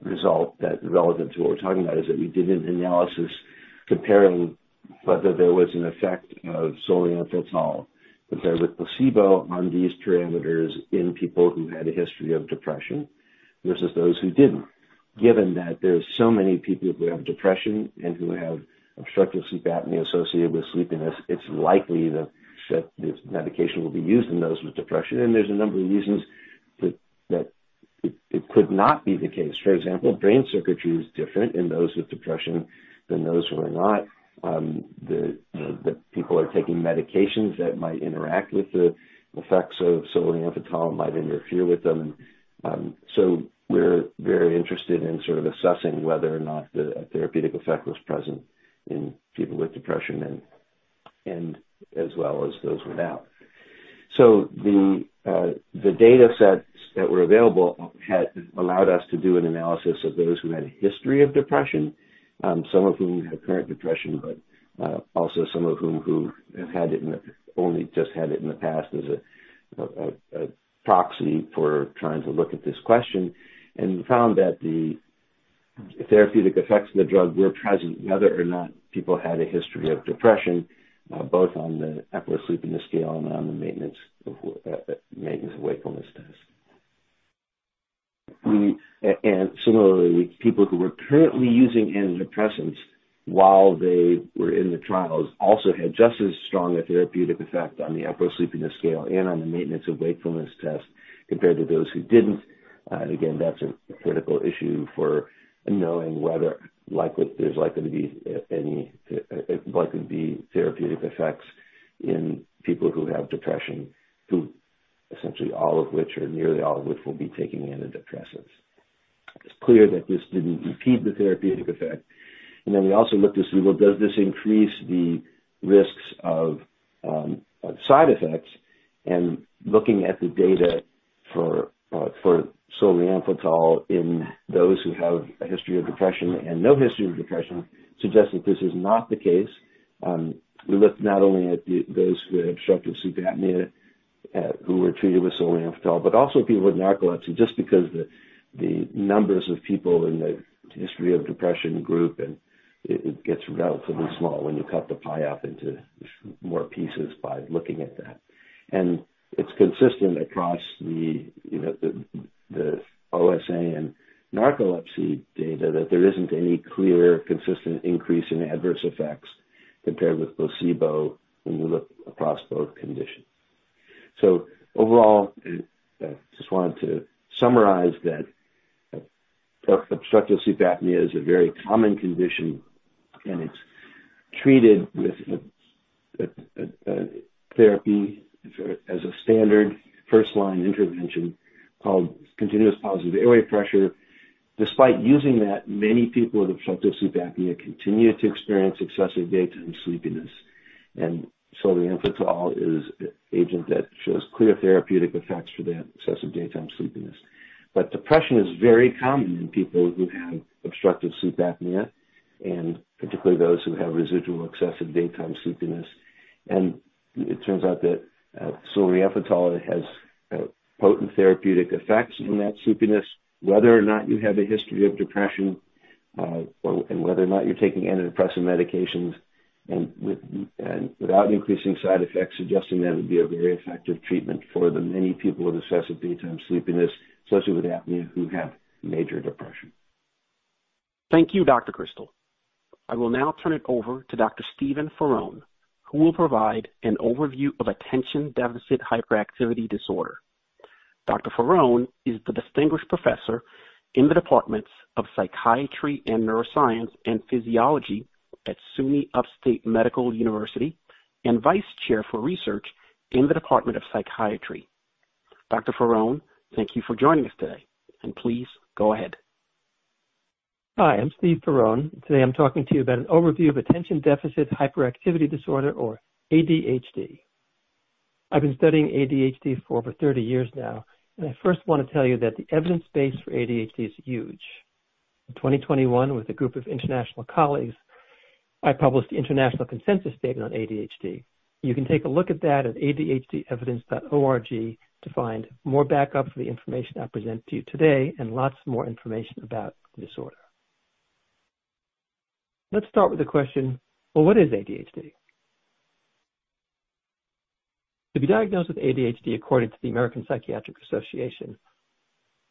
result that's relevant to what we're talking about is that we did an analysis comparing whether there was an effect of solriamfetol compared with placebo on these parameters in people who had a history of depression versus those who didn't. Given that there's so many people who have depression and who have obstructive sleep apnea associated with sleepiness, it's likely that this medication will be used in those with depression. There's a number of reasons that it could not be the case. For example, brain circuitry is different in those with depression than those who are not. You know, people are taking medications that might interact with the effects of Solriamfetol, might interfere with them. We're very interested in sort of assessing whether or not a therapeutic effect was present in people with depression and as well as those without. The data sets that were available had allowed us to do an analysis of those who had a history of depression, some of whom had current depression, but also some of whom who have had it only just in the past as a proxy for trying to look at this question. We found that the therapeutic effects of the drug were present, whether or not people had a history of depression, both on the Epworth Sleepiness Scale and on the Maintenance of Wakefulness Test. Similarly, people who were currently using antidepressants while they were in the trials also had just as strong a therapeutic effect on the Epworth Sleepiness Scale and on the Maintenance of Wakefulness Test compared to those who didn't. Again, that's a critical issue for knowing whether there's likely to be any therapeutic effects in people who have depression, who essentially all of which or nearly all of which will be taking antidepressants. It's clear that this didn't impede the therapeutic effect. We also looked to see, does this increase the risks of side effects? Looking at the data for solriamfetol in those who have a history of depression and no history of depression suggests that this is not the case. We looked not only at those with obstructive sleep apnea who were treated with solriamfetol, but also people with narcolepsy. Just because the numbers of people in the history of depression group, and it gets relatively small when you cut the pie up into more pieces by looking at that. It's consistent across, you know, the OSA and narcolepsy data that there isn't any clear consistent increase in adverse effects compared with placebo when you look across both conditions. Overall, just wanted to summarize that obstructive sleep apnea is a very common condition, and it's treated with a therapy as a standard first-line intervention called continuous positive airway pressure. Despite using that, many people with obstructive sleep apnea continue to experience excessive daytime sleepiness, and solriamfetol is an agent that shows clear therapeutic effects for that excessive daytime sleepiness. Depression is very common in people who have obstructive sleep apnea and particularly those who have residual excessive daytime sleepiness. It turns out that solriamfetol has potent therapeutic effects in that sleepiness whether or not you have a history of depression or whether or not you're taking antidepressant medications and without increasing side effects, suggesting that it would be a very effective treatment for the many people with excessive daytime sleepiness, especially with apnea, who have major depression. Thank you, Dr. Krystal. I will now turn it over to Dr. Stephen Faraone, who will provide an overview of attention-deficit hyperactivity disorder. Dr. Faraone is the Distinguished Professor in the Departments of Psychiatry and Neuroscience and Physiology at SUNY Upstate Medical University and Vice Chair for research in the Department of Psychiatry. Dr. Faraone, thank you for joining us today, and please go ahead. Hi, I'm Stephen Faraone. Today I'm talking to you about an overview of attention-deficit hyperactivity disorder, or ADHD. I've been studying ADHD for over 30 years now, and I first wanna tell you that the evidence base for ADHD is huge. In 2021, with a group of international colleagues, I published the International Consensus Statement on ADHD. You can take a look at that at adhdevidence.org to find more backup for the information I present to you today and lots more information about the disorder. Let's start with the question: Well, what is ADHD? To be diagnosed with ADHD according to the American Psychiatric Association,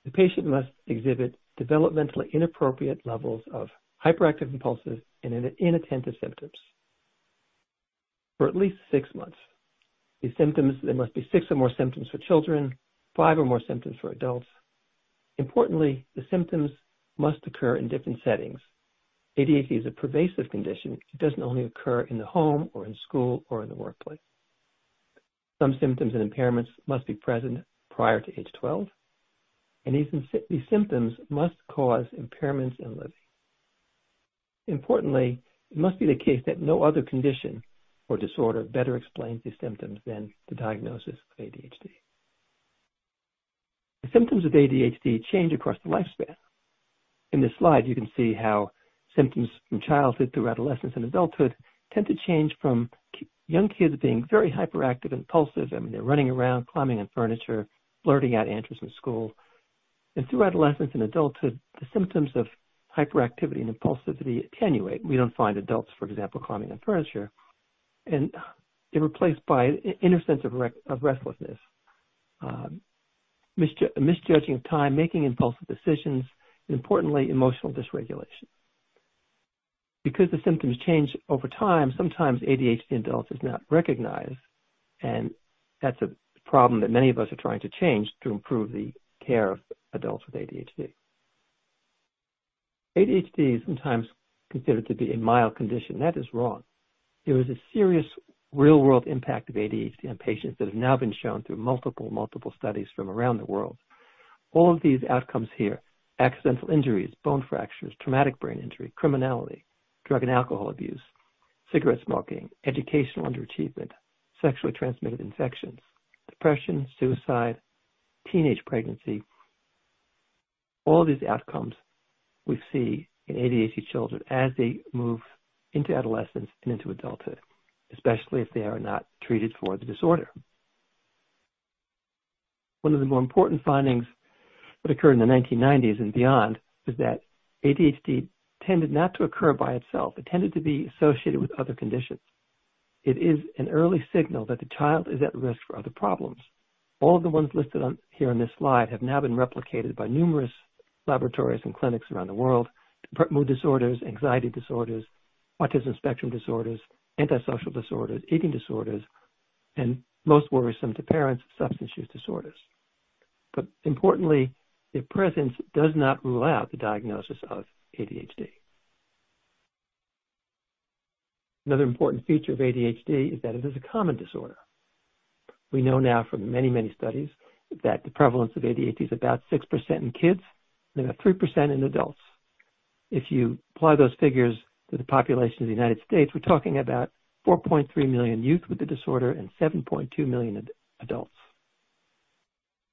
the patient must exhibit developmentally inappropriate levels of hyperactive impulses and inattentive symptoms for at least six months. These symptoms, there must be six or more symptoms for children, five or more symptoms for adults. Importantly, the symptoms must occur in different settings. ADHD is a pervasive condition. It doesn't only occur in the home or in school or in the workplace. Some symptoms and impairments must be present prior to age 12, and these symptoms must cause impairments in living. Importantly, it must be the case that no other condition or disorder better explains these symptoms than the diagnosis of ADHD. The symptoms of ADHD change across the lifespan. In this slide, you can see how symptoms from childhood through adolescence and adulthood tend to change from young kids being very hyperactive, impulsive, I mean, they're running around, climbing on furniture, blurting out answers in school. Through adolescence and adulthood, the symptoms of hyperactivity and impulsivity attenuate. We don't find adults, for example, climbing on furniture, and they're replaced by inner sense of restlessness, misjudging time, making impulsive decisions, and importantly, emotional dysregulation. Because the symptoms change over time, sometimes ADHD in adults is not recognized, and that's a problem that many of us are trying to change to improve the care of adults with ADHD. ADHD is sometimes considered to be a mild condition. That is wrong. There is a serious real-world impact of ADHD on patients that has now been shown through multiple studies from around the world. All of these outcomes here, accidental injuries, bone fractures, traumatic brain injury, criminality, drug and alcohol abuse, cigarette smoking, educational underachievement, sexually transmitted infections, depression, suicide, teenage pregnancy. All these outcomes we see in ADHD children as they move into adolescence and into adulthood, especially if they are not treated for the disorder. One of the more important findings that occurred in the 1990s and beyond was that ADHD tended not to occur by itself. It tended to be associated with other conditions. It is an early signal that the child is at risk for other problems. All of the ones listed here on this slide have now been replicated by numerous laboratories and clinics around the world. Mood disorders, anxiety disorders, autism spectrum disorders, antisocial disorders, eating disorders, and most worrisome to parents, substance use disorders. Importantly, their presence does not rule out the diagnosis of ADHD. Another important feature of ADHD is that it is a common disorder. We know now from many, many studies that the prevalence of ADHD is about 6% in kids and about 3% in adults. If you apply those figures to the population of the United States, we're talking about 4.3 million youth with the disorder and 7.2 million adults.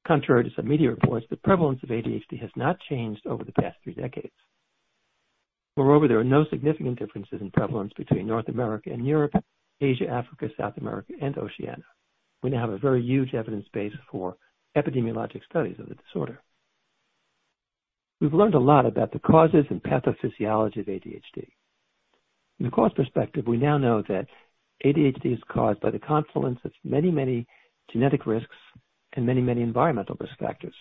Contrary to some media reports, the prevalence of ADHD has not changed over the past three decades. Moreover, there are no significant differences in prevalence between North America and Europe, Asia, Africa, South America and Oceania. We now have a very huge evidence base for epidemiologic studies of the disorder. We've learned a lot about the causes and pathophysiology of ADHD. In the cause perspective, we now know that ADHD is caused by the confluence of many, many genetic risks and many, many environmental risk factors.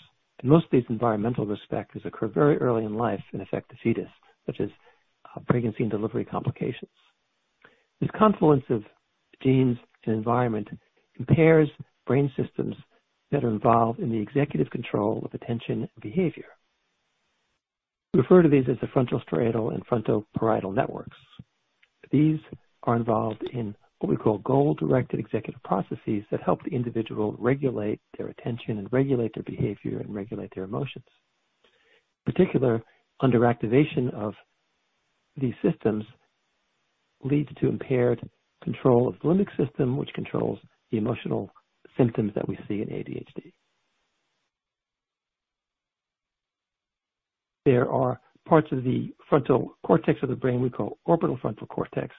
Most of these environmental risk factors occur very early in life and affect the fetus, such as pregnancy and delivery complications. This confluence of genes and environment impairs brain systems that are involved in the executive control of attention and behavior. We refer to these as the frontostriatal and frontoparietal networks. These are involved in what we call goal-directed executive processes that help the individual regulate their attention and regulate their behavior and regulate their emotions. Particular underactivation of these systems leads to impaired control of the limbic system, which controls the emotional symptoms that we see in ADHD. There are parts of the frontal cortex of the brain we call orbital frontal cortex.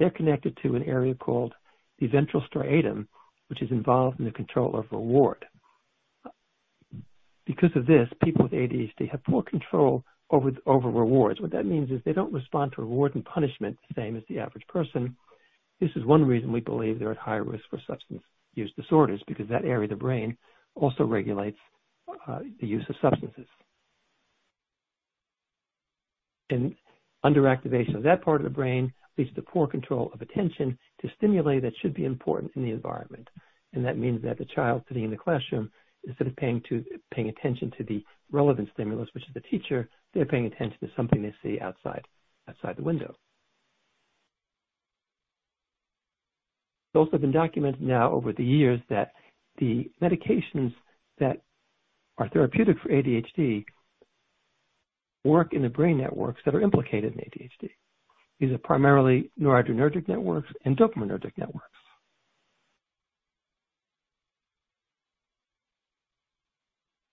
They're connected to an area called the ventral striatum, which is involved in the control of reward. Because of this, people with ADHD have poor control over rewards. What that means is they don't respond to reward and punishment the same as the average person. This is one reason we believe they're at higher risk for substance use disorders, because that area of the brain also regulates the use of substances. Underactivation of that part of the brain leads to poor control of attention to stimuli that should be important in the environment. That means that the child sitting in the classroom, instead of paying attention to the relevant stimulus, which is the teacher, they're paying attention to something they see outside the window. It's also been documented now over the years that the medications that are therapeutic for ADHD work in the brain networks that are implicated in ADHD. These are primarily noradrenergic networks and dopaminergic networks.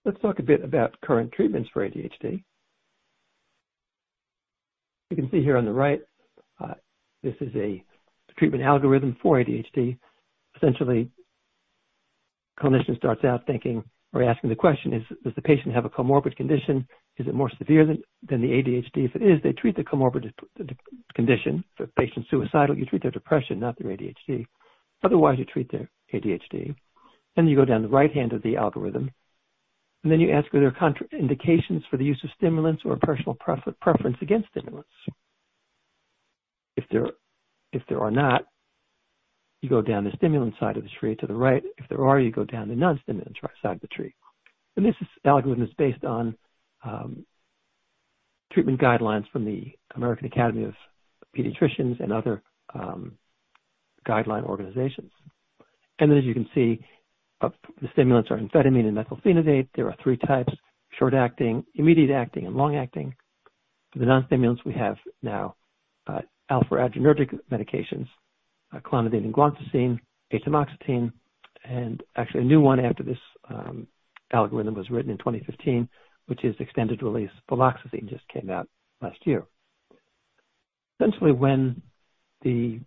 Let's talk a bit about current treatments for ADHD. You can see here on the right, this is a treatment algorithm for ADHD. Essentially, clinician starts out thinking or asking the question, does the patient have a comorbid condition? Is it more severe than the ADHD? If it is, they treat the comorbid condition. If a patient's suicidal, you treat their depression, not their ADHD. Otherwise, you treat their ADHD, and you go down the right-hand of the algorithm. Then you ask, are there contraindications for the use of stimulants or personal preference against stimulants? If there are not, you go down the stimulant side of the tree to the right. If there are, you go down the non-stimulant side of the tree. This algorithm is based on treatment guidelines from the American Academy of Pediatrics and other guideline organizations. As you can see, the stimulants are amphetamine and methylphenidate. There are three types, short-acting, intermediate-acting, and long-acting. The non-stimulants we have now, alpha-adrenergic medications, clonidine and guanfacine, atomoxetine, and actually a new one after this algorithm was written in 2015, which is extended-release viloxazine, just came out last year. Essentially, when any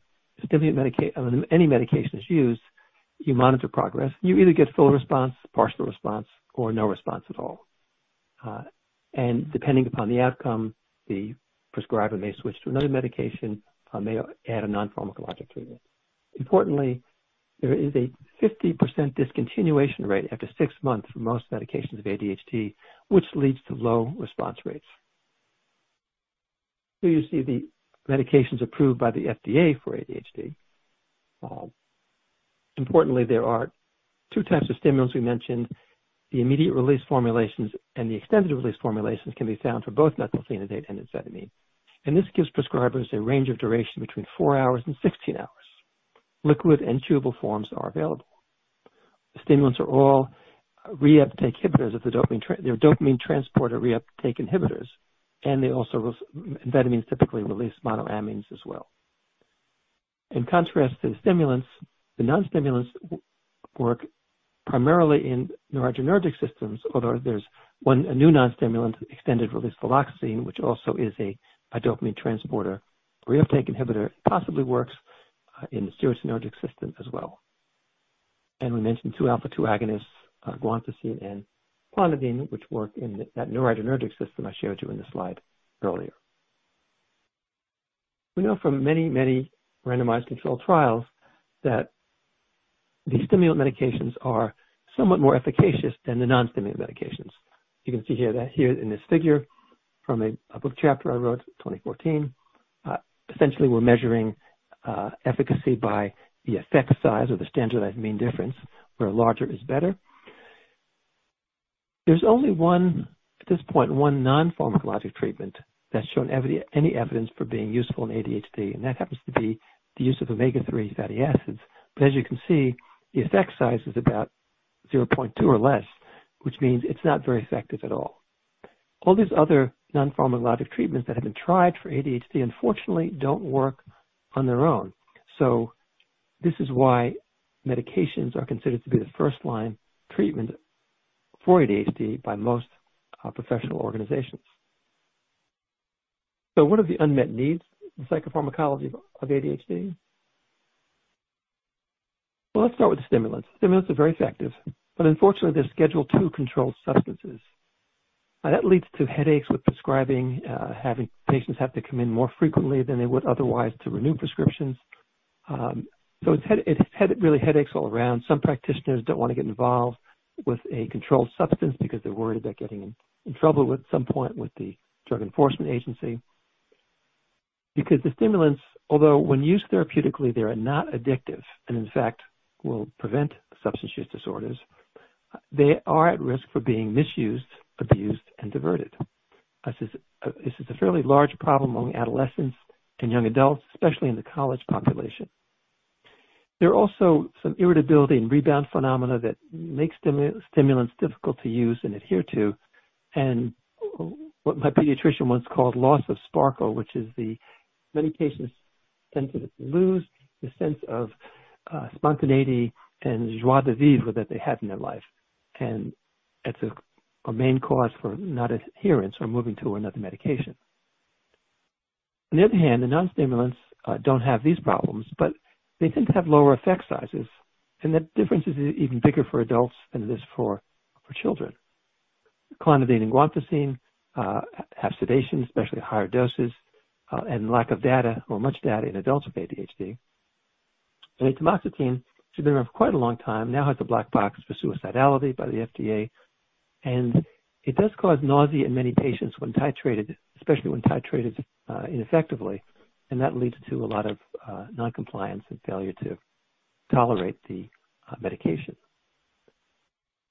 medication is used, you monitor progress. You either get full response, partial response, or no response at all. Depending upon the outcome, the prescriber may switch to another medication or may add a non-pharmacologic treatment. Importantly, there is a 50% discontinuation rate after 6 months for most medications of ADHD, which leads to low response rates. Here you see the medications approved by the FDA for ADHD. Importantly, there are two types of stimulants we mentioned. The immediate-release formulations and the extended-release formulations can be found for both methylphenidate and amphetamine. This gives prescribers a range of duration between 4-16 hours. Liquid and chewable forms are available. Stimulants are all reuptake inhibitors of the dopamine transporter, and they also, amphetamines typically release monoamines as well. In contrast to the stimulants, the non-stimulants work primarily in noradrenergic systems. Although there's a new non-stimulant, extended-release viloxazine, which also is a dopamine transporter reuptake inhibitor, possibly works in the serotonergic system as well. We mentioned two alpha-2 agonists, guanfacine and clonidine, which work in that noradrenergic system I showed you in the slide earlier. We know from many, many randomized controlled trials that the stimulant medications are somewhat more efficacious than the non-stimulant medications. You can see here in this figure from a book chapter I wrote, 2014, essentially, we're measuring efficacy by the effect size or the standardized mean difference, where larger is better. There's only one non-pharmacologic treatment that's shown any evidence for being useful in ADHD, and that happens to be the use of omega-3 fatty acids. As you can see, the effect size is about 0.2 or less, which means it's not very effective at all. All these other non-pharmacologic treatments that have been tried for ADHD, unfortunately, don't work on their own. This is why medications are considered to be the first-line treatment for ADHD by most professional organizations. What are the unmet needs in psychopharmacology of ADHD? Well, let's start with the stimulants. Stimulants are very effective, but unfortunately, they're Schedule II controlled substances. That leads to headaches with prescribing, having patients have to come in more frequently than they would otherwise to renew prescriptions. It's really headaches all around. Some practitioners don't want to get involved with a controlled substance because they're worried about getting in trouble with the Drug Enforcement Administration at some point. Because the stimulants, although when used therapeutically, they are not addictive and in fact will prevent substance use disorders, they are at risk for being misused, abused, and diverted. This is a fairly large problem among adolescents and young adults, especially in the college population. There are also some irritability and rebound phenomena that makes stimulants difficult to use and adhere to, and what my pediatrician once called loss of sparkle, which is the many patients tend to lose the sense of spontaneity and joie de vivre that they had in their life. It's a main cause for not adherence or moving to another medication. On the other hand, the non-stimulants don't have these problems, but they tend to have lower effect sizes. The difference is even bigger for adults than it is for children. Clonidine and guanfacine have sedation, especially at higher doses, and lack of data or much data in adults with ADHD. Atomoxetine, which has been around for quite a long time, now has a black box for suicidality by the FDA, and it does cause nausea in many patients when titrated ineffectively. That leads to a lot of non-compliance and failure to tolerate the medication.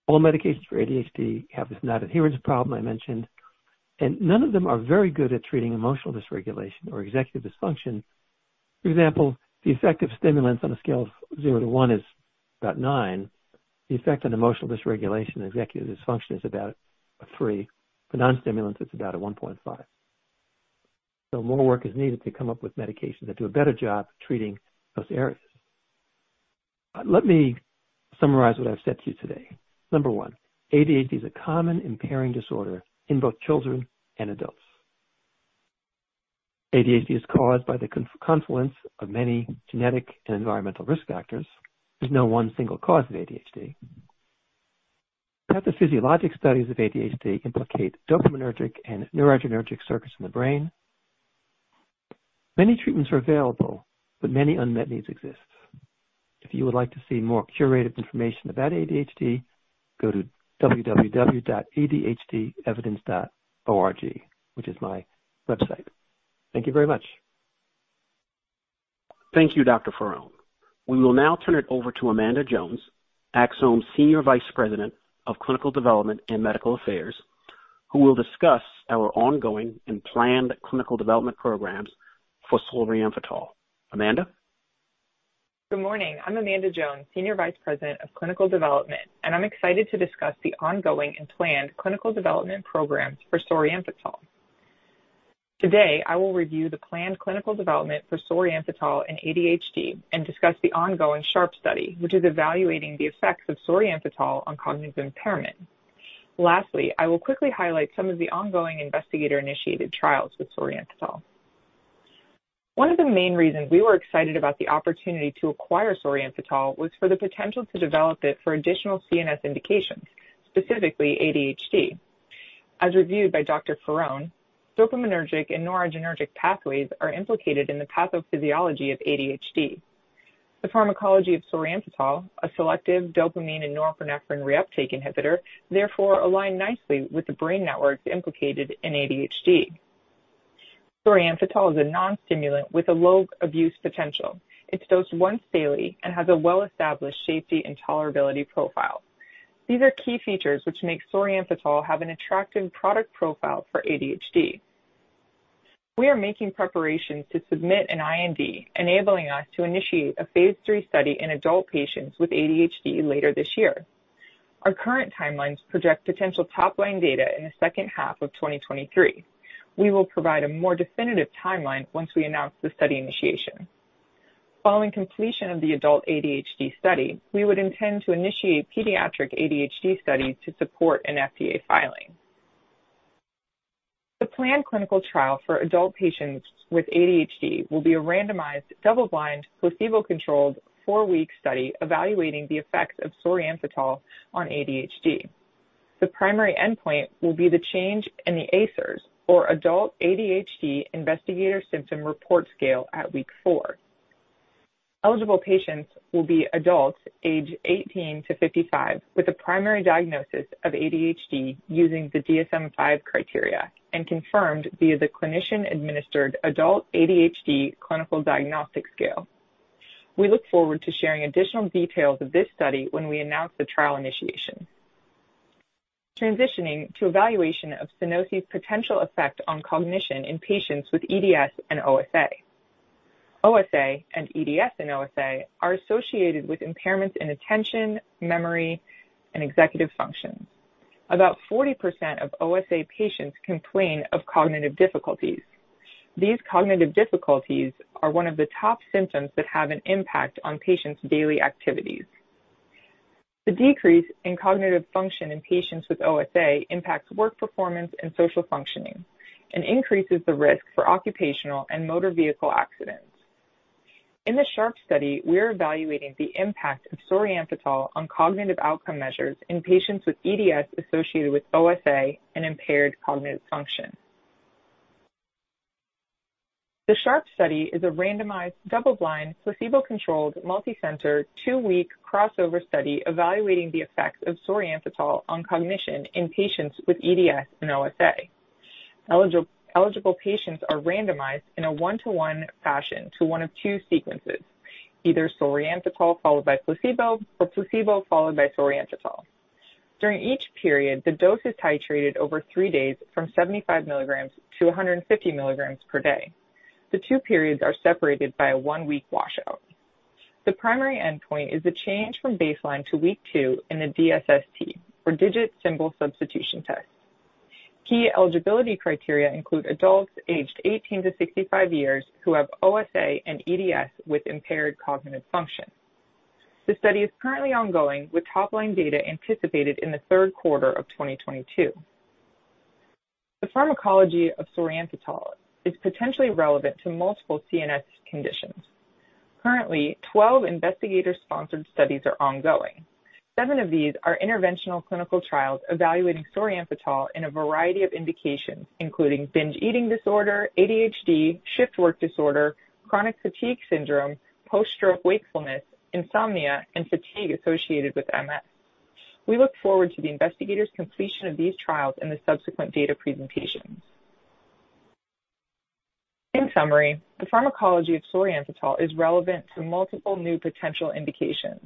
All medications for ADHD have this non-adherence problem I mentioned, and none of them are very good at treating emotional dysregulation or executive dysfunction. For example, the effect of stimulants on a scale of 0 to 1 is about nine. The effect on emotional dysregulation, executive dysfunction is about a three. For non-stimulants, it's about a 1.5. More work is needed to come up with medications that do a better job treating those areas. Let me summarize what I've said to you today. Number one, ADHD is a common impairing disorder in both children and adults. ADHD is caused by the confluence of many genetic and environmental risk factors. There's no one single cause of ADHD. Pathophysiologic studies of ADHD implicate dopaminergic and noradrenergic circuits in the brain. Many treatments are available, but many unmet needs exist. If you would like to see more curated information about ADHD, go to www.adhdevidence.org, which is my website. Thank you very much. Thank you, Dr. Faraone. We will now turn it over to Amanda Jones, Axsome's Senior Vice President of Clinical Development and Medical Affairs, who will discuss our ongoing and planned clinical development programs for Solriamfetol. Amanda. Good morning. I'm Amanda Jones, Senior Vice President of Clinical Development, and I'm excited to discuss the ongoing and planned clinical development programs for solriamfetol. Today, I will review the planned clinical development for solriamfetol in ADHD and discuss the ongoing SHARP study, which is evaluating the effects of solriamfetol on cognitive impairment. Lastly, I will quickly highlight some of the ongoing investigator-initiated trials with solriamfetol. One of the main reasons we were excited about the opportunity to acquire solriamfetol was for the potential to develop it for additional CNS indications, specifically ADHD. As reviewed by Dr. Faraone, dopaminergic and noradrenergic pathways are implicated in the pathophysiology of ADHD. The pharmacology of solriamfetol, a selective dopamine and norepinephrine reuptake inhibitor, therefore align nicely with the brain networks implicated in ADHD. Solriamfetol is a non-stimulant with a low abuse potential. It's dosed once daily and has a well-established safety and tolerability profile. These are key features which make solriamfetol have an attractive product profile for ADHD. We are making preparations to submit an IND, enabling us to initiate a phase III study in adult patients with ADHD later this year. Our current timelines project potential top-line data in the H2 of 2023. We will provide a more definitive timeline once we announce the study initiation. Following completion of the adult ADHD study, we would intend to initiate pediatric ADHD studies to support an FDA filing. The planned clinical trial for adult patients with ADHD will be a randomized, double-blind, placebo-controlled, four-week study evaluating the effects of solriamfetol on ADHD. The primary endpoint will be the change in the AISRS, or Adult ADHD Investigator Symptom Rating Scale, at week 4. Eligible patients will be adults aged 18-55 with a primary diagnosis of ADHD using the DSM-V criteria and confirmed via the clinician-administered adult ADHD clinical diagnostic scale. We look forward to sharing additional details of this study when we announce the trial initiation. Transitioning to evaluation of Sunosi's potential effect on cognition in patients with EDS and OSA. OSA and EDS in OSA are associated with impairments in attention, memory, and executive functions. About 40% of OSA patients complain of cognitive difficulties. These cognitive difficulties are one of the top symptoms that have an impact on patients' daily activities. The decrease in cognitive function in patients with OSA impacts work performance and social functioning and increases the risk for occupational and motor vehicle accidents. In the SHARP study, we are evaluating the impact of solriamfetol on cognitive outcome measures in patients with EDS associated with OSA and impaired cognitive function. The SHARP study is a randomized, double-blind, placebo-controlled, multi-center, two-week crossover study evaluating the effects of solriamfetol on cognition in patients with EDS and OSA. Eligible patients are randomized in a 1-to-1 fashion to one of two sequences, either solriamfetol followed by placebo or placebo followed by solriamfetol. During each period, the dose is titrated over three days from 75 milligrams to 150 milligrams per day. The two periods are separated by a one-week washout. The primary endpoint is the change from baseline to week two in the DSST, or Digit Symbol Substitution Test. Key eligibility criteria include adults aged 18 to 65 years who have OSA and EDS with impaired cognitive function. The study is currently ongoing, with top-line data anticipated in the Q3 of 2022. The pharmacology of solriamfetol is potentially relevant to multiple CNS conditions. Currently, 12 investigator-sponsored studies are ongoing. Seven of these are interventional clinical trials evaluating solriamfetol in a variety of indications, including binge eating disorder, ADHD, shift work disorder, chronic fatigue syndrome, post-stroke wakefulness, insomnia, and fatigue associated with MS. We look forward to the investigators' completion of these trials and the subsequent data presentations. In summary, the pharmacology of solriamfetol is relevant to multiple new potential indications.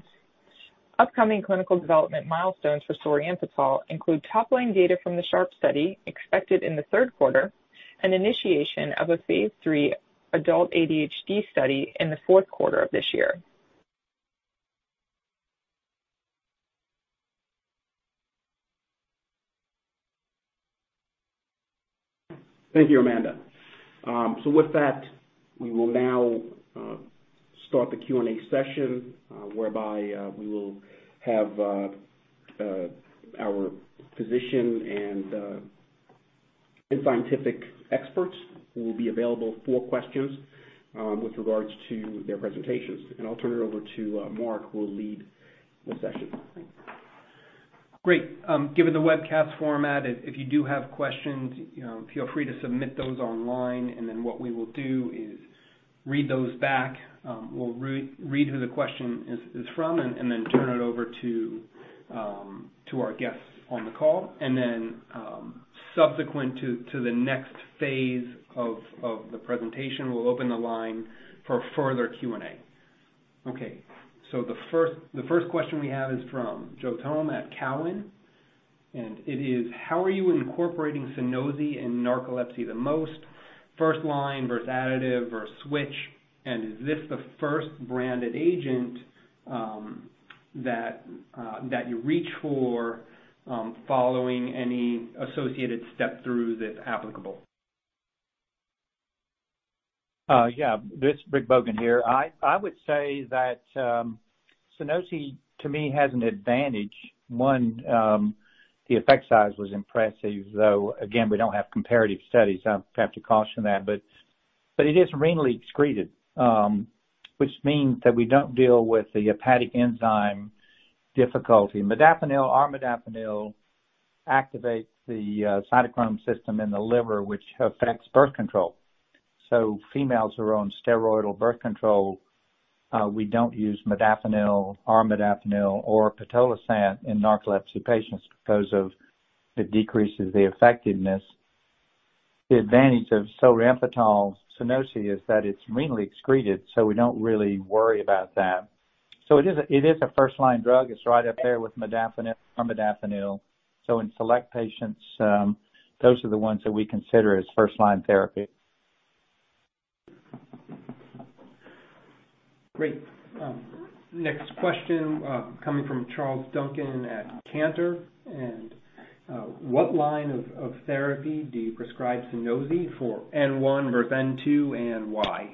Upcoming clinical development milestones for solriamfetol include top-line data from the SHARP study expected in the Q3 and initiation of a phase III adult ADHD study in the Q4 of this year. Thank you, Amanda. So with that we will now start the Q&A session, whereby we will have our physician and scientific experts who will be available for questions with regards to their presentations. I'll turn it over to Mark, who will lead the session. Great. Given the webcast format, if you do have questions, you know, feel free to submit those online, and then what we will do is read those back. We'll re-read who the question is from and then turn it over to our guests on the call. Subsequent to the next phase of the presentation, we'll open the line for further Q&A. Okay. The first question we have is from Joe Thome at Cowen, and it is: How are you incorporating Sunosi in narcolepsy the most, first line versus additive or switch? And is this the first branded agent that you reach for following any associated step-through that's applicable? This is Ric Bogan here. I would say that Sunosi, to me, has an advantage. One, the effect size was impressive, though again, we don't have comparative studies. I'd have to caution that, but it is renally excreted, which means that we don't deal with the hepatic enzyme difficulty. Modafinil, armodafinil activates the cytochrome system in the liver, which affects birth control. Females who are on steroidal birth control, we don't use modafinil or armodafinil or pitolisant in narcolepsy patients because of it decreases the effectiveness. The advantage of solriamfetol, Sunosi, is that it's renally excreted, so we don't really worry about that. It is a first-line drug. It's right up there with modafinil or armodafinil. In select patients, those are the ones that we consider as first-line therapy. Great. Next question coming from Charles Duncan at Cantor, and: What line of therapy do you prescribe Sunosi for N1 versus N2 and why?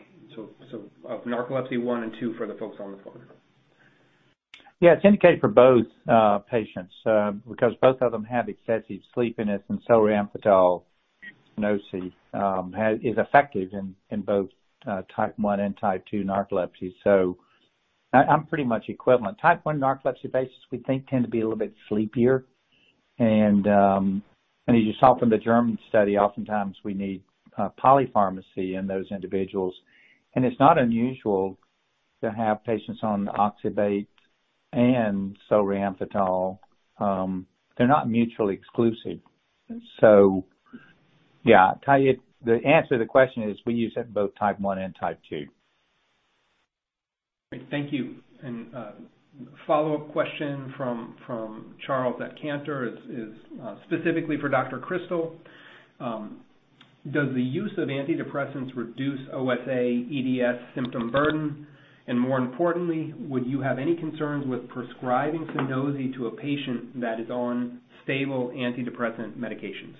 Narcolepsy 1 and 2 for the folks on the phone. Yeah. It's indicated for both patients because both of them have excessive sleepiness, and solriamfetol, Sunosi, is effective in both type one and type two narcolepsy. I'm pretty much equivalent. Type one narcolepsy patients we think tend to be a little bit sleepier. As you saw from the German study, oftentimes we need polypharmacy in those individuals. It's not unusual to have patients on oxybate and solriamfetol. They're not mutually exclusive. Yeah. I'll tell you the answer to the question is, we use it in both type one and type two. Great. Thank you. Follow-up question from Charles at Cantor is specifically for Dr. Krystal. Does the use of antidepressants reduce OSA EDS symptom burden? More importantly, would you have any concerns with prescribing Sunosi to a patient that is on stable antidepressant medications?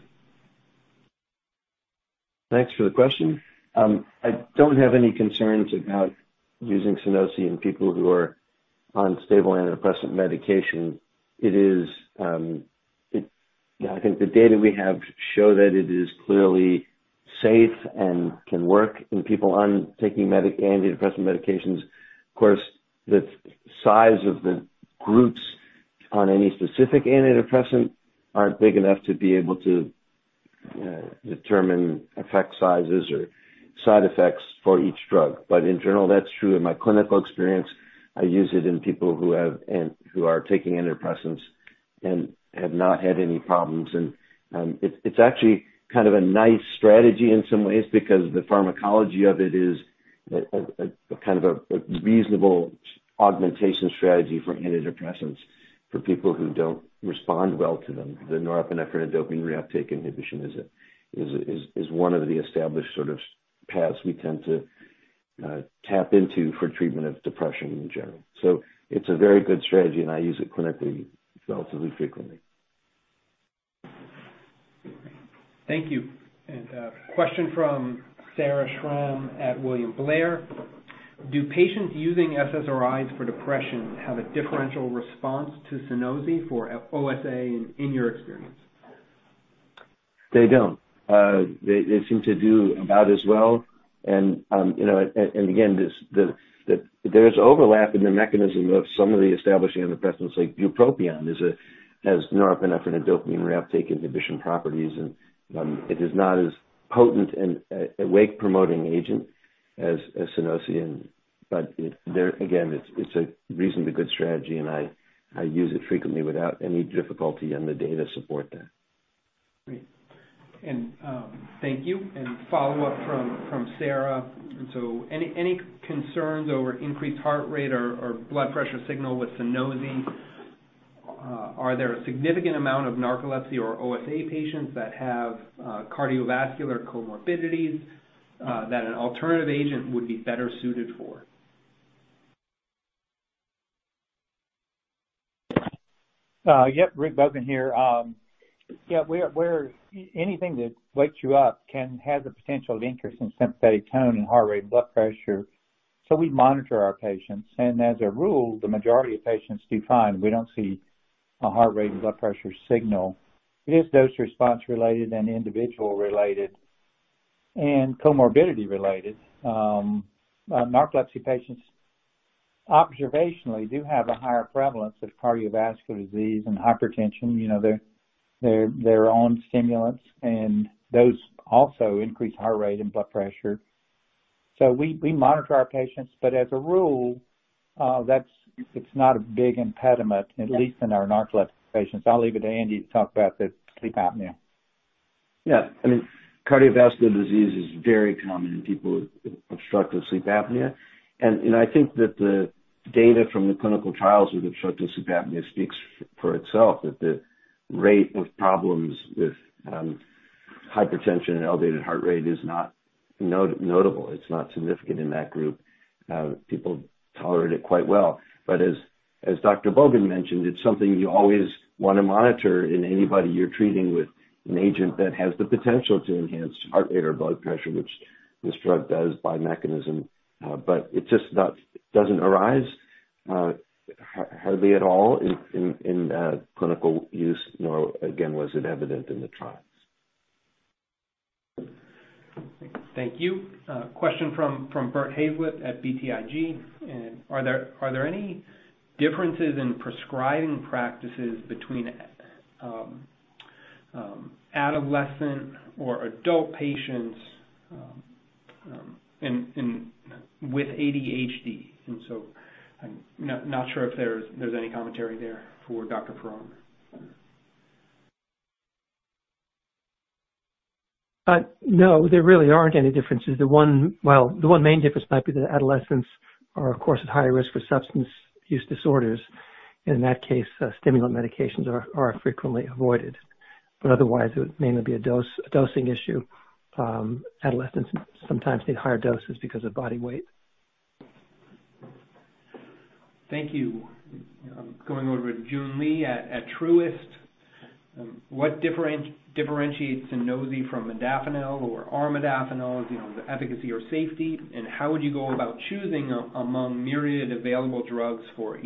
Thanks for the question. I don't have any concerns about using Sunosi in people who are on stable antidepressant medication. It is. You know, I think the data we have show that it is clearly safe and can work in people on taking antidepressant medications. Of course, the size of the groups on any specific antidepressant aren't big enough to be able to determine effect sizes or side effects for each drug. In general, that's true. In my clinical experience, I use it in people who are taking antidepressants and have not had any problems. It's actually kind of a nice strategy in some ways because the pharmacology of it is a kind of a reasonable augmentation strategy for antidepressants for people who don't respond well to them. The norepinephrine and dopamine reuptake inhibition is one of the established sort of paths we tend to tap into for treatment of depression in general. It's a very good strategy, and I use it clinically relatively frequently. Thank you. A question from Sarah Schram at William Blair. Do patients using SSRIs for depression have a differential response to Sunosi for OSA in your experience? They don't. They seem to do about as well. Again, there's overlap in the mechanism of some of the established antidepressants like bupropion. It has norepinephrine and dopamine reuptake inhibition properties. It is not as potent a wake-promoting agent as Sunosi, but there again, it's a reasonably good strategy, and I use it frequently without any difficulty, and the data support that. Great. Thank you. Follow-up from Sarah. Any concerns over increased heart rate or blood pressure signal with Sunosi? Are there a significant amount of narcolepsy or OSA patients that have cardiovascular comorbidities that an alternative agent would be better suited for? Ric Bogan here. Anything that wakes you up can have the potential to increase in sympathetic tone and heart rate and blood pressure. We monitor our patients, and as a rule, the majority of patients do fine. We don't see a heart rate and blood pressure signal. It is dose response related and individual related and comorbidity related. Narcolepsy patients observationally do have a higher prevalence of cardiovascular disease and hypertension. You know, their own stimulants, and those also increase heart rate and blood pressure. We monitor our patients, but as a rule, that's it. It's not a big impediment, at least in our narcolepsy patients. I'll leave it to Andrew Krystal to talk about the sleep apnea. Yeah. I mean, cardiovascular disease is very common in people with obstructive sleep apnea. You know, I think that the data from the clinical trials with obstructive sleep apnea speaks for itself, that the rate of problems with hypertension and elevated heart rate is not notable. It's not significant in that group. People tolerate it quite well. As Dr. Bogan mentioned, it's something you always wanna monitor in anybody you're treating with an agent that has the potential to enhance heart rate or blood pressure, which this drug does by mechanism. It's just not, doesn't arise hardly at all in clinical use, nor again, was it evident in the trials. Thank you. Question from Bert Hazlett at BTIG. Are there any differences in prescribing practices between adolescent or adult patients with ADHD? I'm not sure if there's any commentary there for Dr. Faraone. No, there really aren't any differences. The one main difference might be that adolescents are, of course, at higher risk for substance use disorders. In that case, stimulant medications are frequently avoided. Otherwise, it would mainly be a dose-dosing issue. Adolescents sometimes need higher doses because of body weight. Thank you. I'm going over to Joon Lee at Truist. What differentiates Sunosi from modafinil or armodafinil, you know, the efficacy or safety, and how would you go about choosing among myriad available drugs for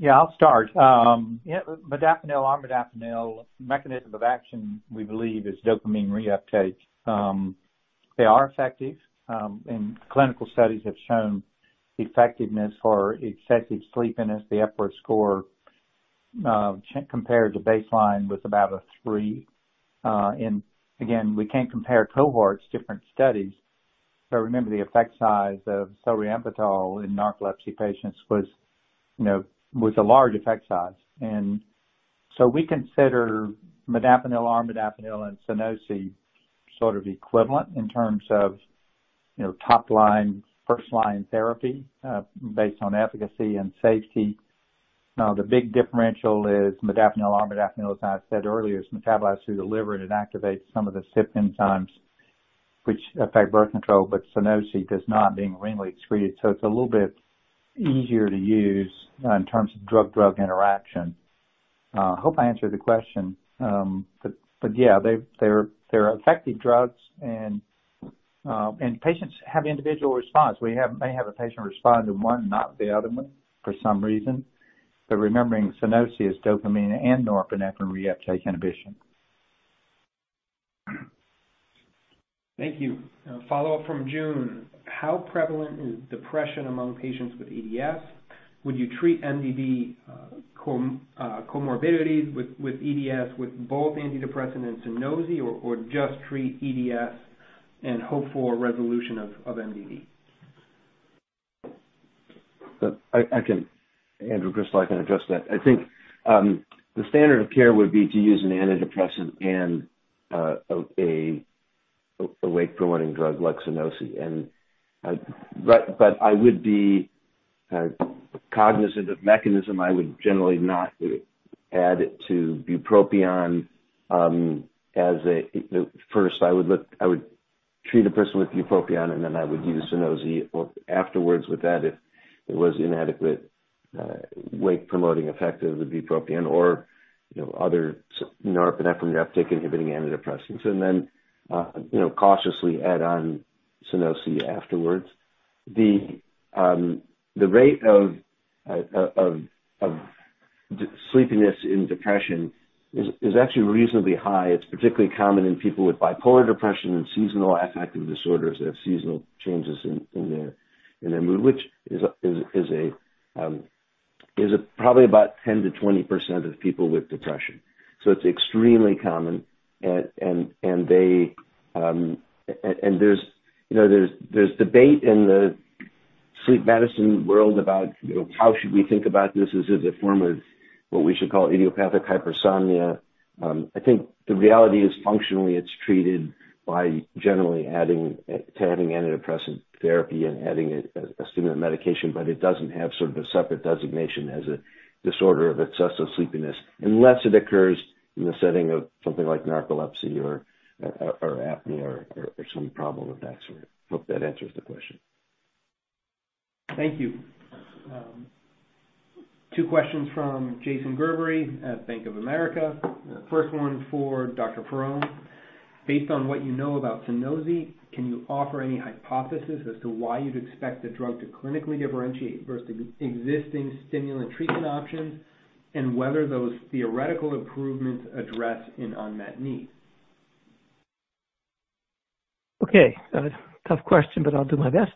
EDS? I'll start. Modafinil, Armodafinil mechanism of action, we believe, is dopamine reuptake. They are effective, and clinical studies have shown effectiveness for excessive sleepiness, the Epworth score, compared to baseline with about a three. Again, we can't compare cohorts, different studies. Remember, the effect size of solriamfetol in narcolepsy patients was, you know, a large effect size. We consider Modafinil, Armodafinil and Sunosi sort of equivalent in terms of, you know, top line, first line therapy, based on efficacy and safety. Now, the big differential is Modafinil, Armodafinil, as I said earlier, is metabolized through the liver, and it activates some of the CYP enzymes which affect birth control, but Sunosi does not, being renally excreted, so it's a little bit easier to use, in terms of drug-drug interaction. Hope I answered the question. Yeah, they're effective drugs and patients have individual response. We may have a patient respond to one and not the other one for some reason. Remembering Sunosi is dopamine and norepinephrine reuptake inhibition. Thank you. A follow-up from Joon. How prevalent is depression among patients with EDS? Would you treat MDD comorbidities with EDS with both antidepressant and Sunosi or just treat EDS and hope for a resolution of MDD? Andrew Krystal, I can address that. I think the standard of care would be to use an antidepressant and a wake-promoting drug like Sunosi. But I would be cognizant of mechanism. I would generally not add to bupropion, you know, first I would treat a person with bupropion, and then I would use Sunosi or afterwards with that if it was inadequate wake promoting effect of the bupropion or, you know, other serotonin-norepinephrine reuptake inhibiting antidepressants, and then, you know, cautiously add on Sunosi afterwards. The rate of daytime sleepiness in depression is actually reasonably high. It's particularly common in people with bipolar depression and seasonal affective disorders that have seasonal changes in their mood, which is probably about 10%-20% of people with depression. It's extremely common. There's, you know, debate in the sleep medicine world about, you know, how should we think about this? Is it a form of what we should call idiopathic hypersomnia? I think the reality is functionally it's treated by generally adding antidepressant therapy and adding a stimulant medication, but it doesn't have sort of a separate designation as a disorder of excessive sleepiness unless it occurs in the setting of something like narcolepsy or apnea or some problem of that sort. Hope that answers the question. Thank you. Two questions from Jason Gerberry at Bank of America. First one for Dr. Faraone. Based on what you know about Sunosi, can you offer any hypothesis as to why you'd expect the drug to clinically differentiate versus existing stimulant treatment options, and whether those theoretical improvements address an unmet need? Okay. A tough question, but I'll do my best.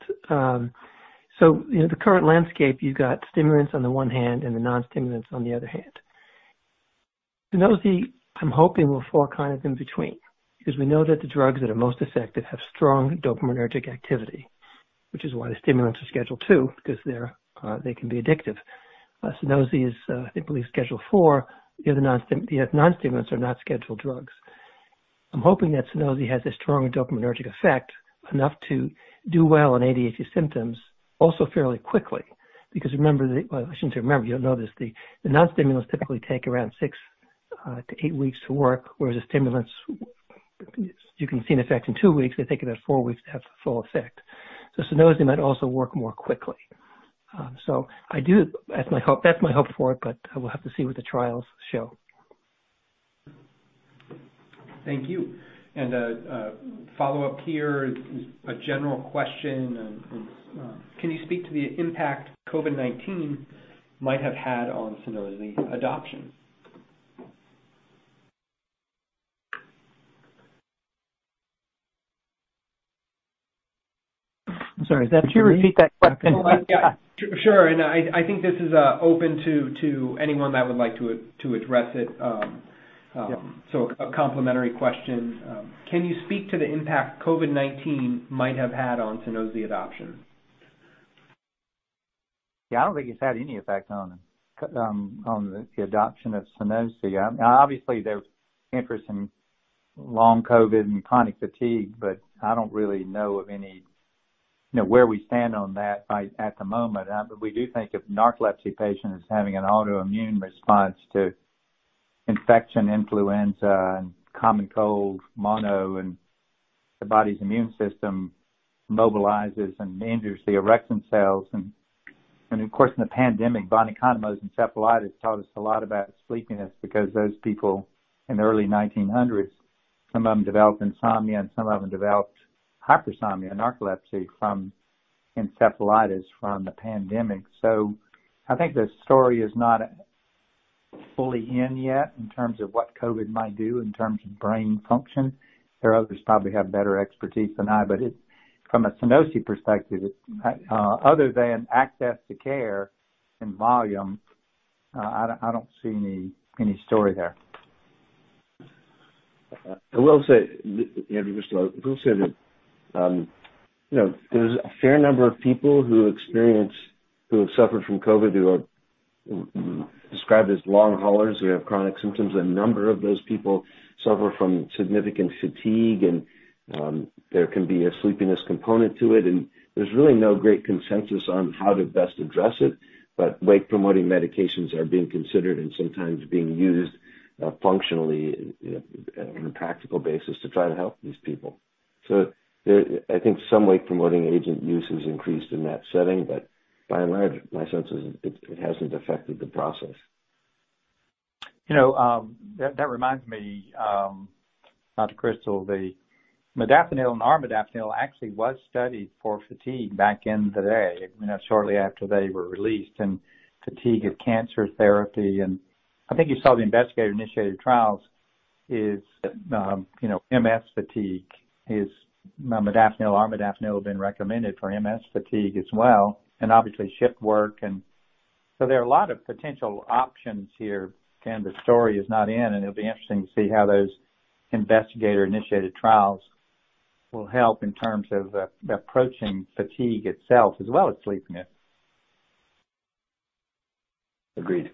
So, you know, the current landscape, you've got stimulants on the one hand and the non-stimulants on the other hand. Sunosi, I'm hoping, will fall kind of in between, because we know that the drugs that are most effective have strong dopaminergic activity, which is why the stimulants are Schedule II, because they can be addictive. Sunosi is, I believe, Schedule IV. The other non-stimulants are not scheduled drugs. I'm hoping that Sunosi has a strong dopaminergic effect, enough to do well in ADHD symptoms also fairly quickly. Because, well, I shouldn't say remember, you'll notice the non-stimulants typically take around 6-8 weeks to work, whereas the stimulants, you can see an effect in two weeks. They take about four weeks to have the full effect. Sunosi might also work more quickly. That's my hope for it, but I will have to see what the trials show. Thank you. A follow-up here is a general question. Can you speak to the impact COVID-19 might have had on Sunosi adoption? I'm sorry. Could you repeat that question? Oh, yeah. Sure, I think this is open to anyone that would like to address it. Yeah. A complementary question. Can you speak to the impact COVID-19 might have had on Sunosi adoption? Yeah, I don't think it's had any effect on the adoption of Sunosi. Obviously, there's interest in long COVID and chronic fatigue, but I don't really know of any, you know, where we stand on that at the moment. We do think of narcolepsy patients having an autoimmune response to infection, influenza, and common cold, mono, and the body's immune system mobilizes and injures the orexin cells. Of course, in the pandemic, von Economo's encephalitis taught us a lot about sleepiness because those people in the early 1900s, some of them developed insomnia and some of them developed hypersomnia, narcolepsy from encephalitis from the pandemic. I think the story is not fully in yet in terms of what COVID might do in terms of brain function. There are others probably have better expertise than I, but it's from a Sunosi perspective, other than access to care and volume, I don't see any story there. I will say, Andrew, that you know, there's a fair number of people who have suffered from COVID, who are described as long haulers, who have chronic symptoms. A number of those people suffer from significant fatigue and there can be a sleepiness component to it, and there's really no great consensus on how to best address it. Wake-promoting medications are being considered and sometimes being used functionally and you know, on a practical basis to try to help these people. I think some wake-promoting agent use has increased in that setting, but by and large, my sense is it hasn't affected the process. You know, that reminds me, Dr. Krystal, the Modafinil and Armodafinil actually was studied for fatigue back in the day, you know, shortly after they were released, and fatigue of cancer therapy. I think you saw the investigator-initiated trials is, you know, MS fatigue is, Modafinil, Armodafinil have been recommended for MS fatigue as well, and obviously shift work. There are a lot of potential options here, and the story is not in, and it'll be interesting to see how those investigator-initiated trials will help in terms of, approaching fatigue itself as well as sleepiness. Agreed.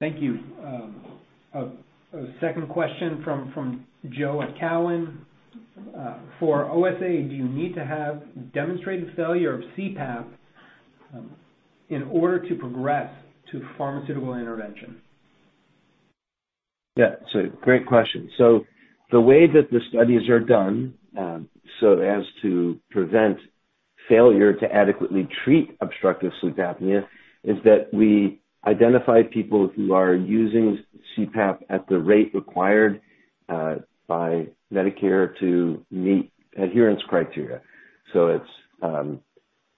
Thank you. A second question from Joe at Cowen. For OSA, do you need to have demonstrated failure of CPAP in order to progress to pharmaceutical intervention? Yeah. Great question. The way that the studies are done, so as to prevent failure to adequately treat obstructive sleep apnea, is that we identify people who are using CPAP at the rate required by Medicare to meet adherence criteria. It's you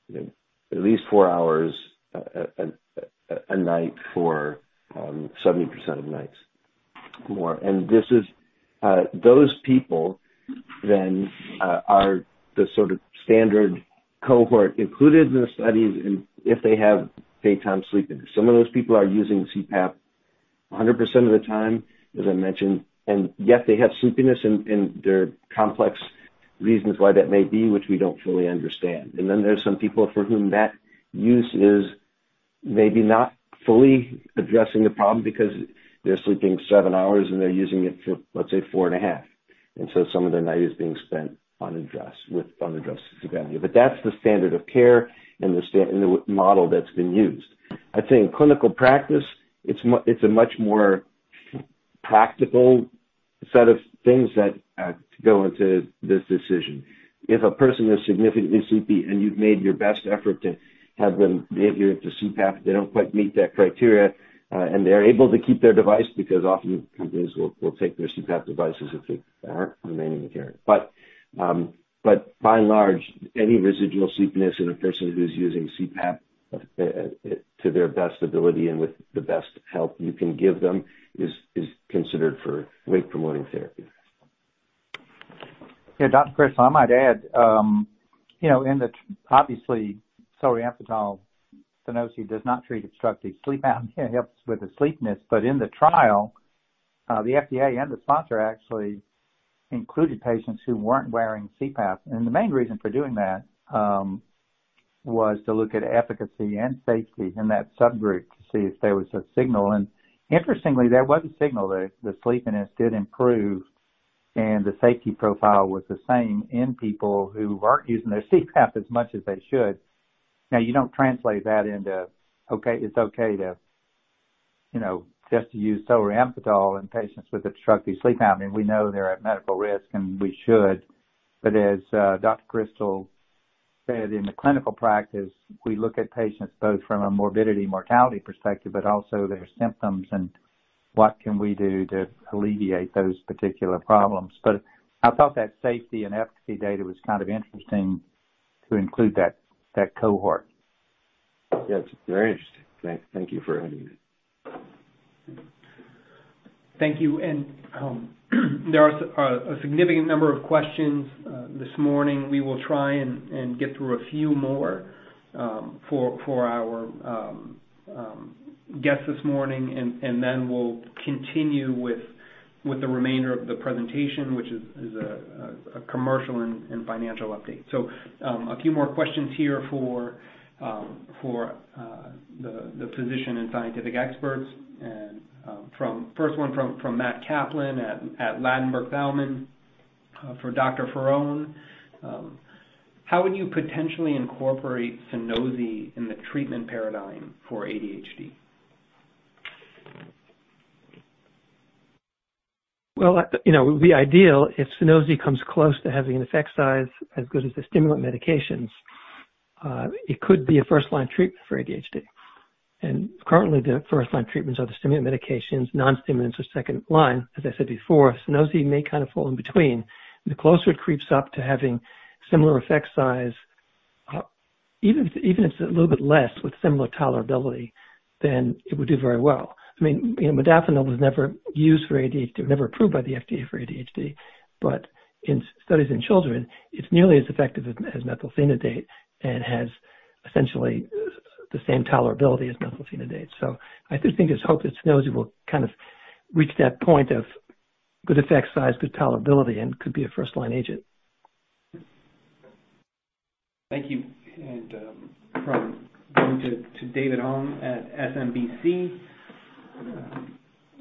know, at least four hours a night for 70% of nights or more. This is those people then are the sort of standard cohort included in the studies and if they have daytime sleepiness. Some of those people are using CPAP 100% of the time, as I mentioned, and yet they have sleepiness and there are complex reasons why that may be, which we don't fully understand. There's some people for whom that use is maybe not fully addressing the problem because they're sleeping seven hours and they're using it for, let's say, four and a half. Some of their night is being spent unaddressed with unaddressed sleep apnea. That's the standard of care and the model that's been used. I'd say in clinical practice, it's a much more practical set of things that go into this decision. If a person is significantly sleepy and you've made your best effort to have them adhere to CPAP, they don't quite meet that criteria, and they're able to keep their device because often companies will take their CPAP devices if they aren't remaining adherent. By and large, any residual sleepiness in a person who's using CPAP to their best ability and with the best help you can give them is considered for wake-promoting therapy. Yeah. Dr. Krystal, I might add, in the, obviously, solriamfetol, Sunosi does not treat obstructive sleep apnea. It helps with the sleepiness. In the trial, the FDA and the sponsor actually included patients who weren't wearing CPAP. The main reason for doing that was to look at efficacy and safety in that subgroup to see if there was a signal. Interestingly, there was a signal that the sleepiness did improve, and the safety profile was the same in people who aren't using their CPAP as much as they should. Now, you don't translate that into, okay, it's okay to just use solriamfetol in patients with obstructive sleep apnea. I mean, we know they're at medical risk, and we should. As, Dr. Krystal said, "In the clinical practice, we look at patients both from a morbidity, mortality perspective, but also their symptoms and what can we do to alleviate those particular problems. I thought that safety and efficacy data was kind of interesting to include that cohort. Yes, very interesting. Thank you for adding it. Thank you. There are a significant number of questions this morning. We will try and get through a few more for our guests this morning, and then we'll continue with the remainder of the presentation, which is a commercial and financial update. A few more questions here for the physician and scientific experts. First one from Matthew Kaplan at Ladenburg Thalmann for Dr. Faraone. How would you potentially incorporate Sunosi in the treatment paradigm for ADHD? Well, you know, it would be ideal if Sunosi comes close to having an effect size as good as the stimulant medications. It could be a first-line treatment for ADHD. Currently, the first-line treatments are the stimulant medications. Non-stimulants are second line. As I said before, Sunosi may kind of fall in between. The closer it creeps up to having similar effect size, even if it's a little bit less with similar tolerability, then it would do very well. I mean, you know, modafinil was never approved by the FDA for ADHD, but in studies in children, it's nearly as effective as methylphenidate and has essentially the same tolerability as methylphenidate. I do think there's hope that Sunosi will kind of reach that point of good effect size, good tolerability, and could be a first-line agent. Thank you. Going to David Hong at SMBC,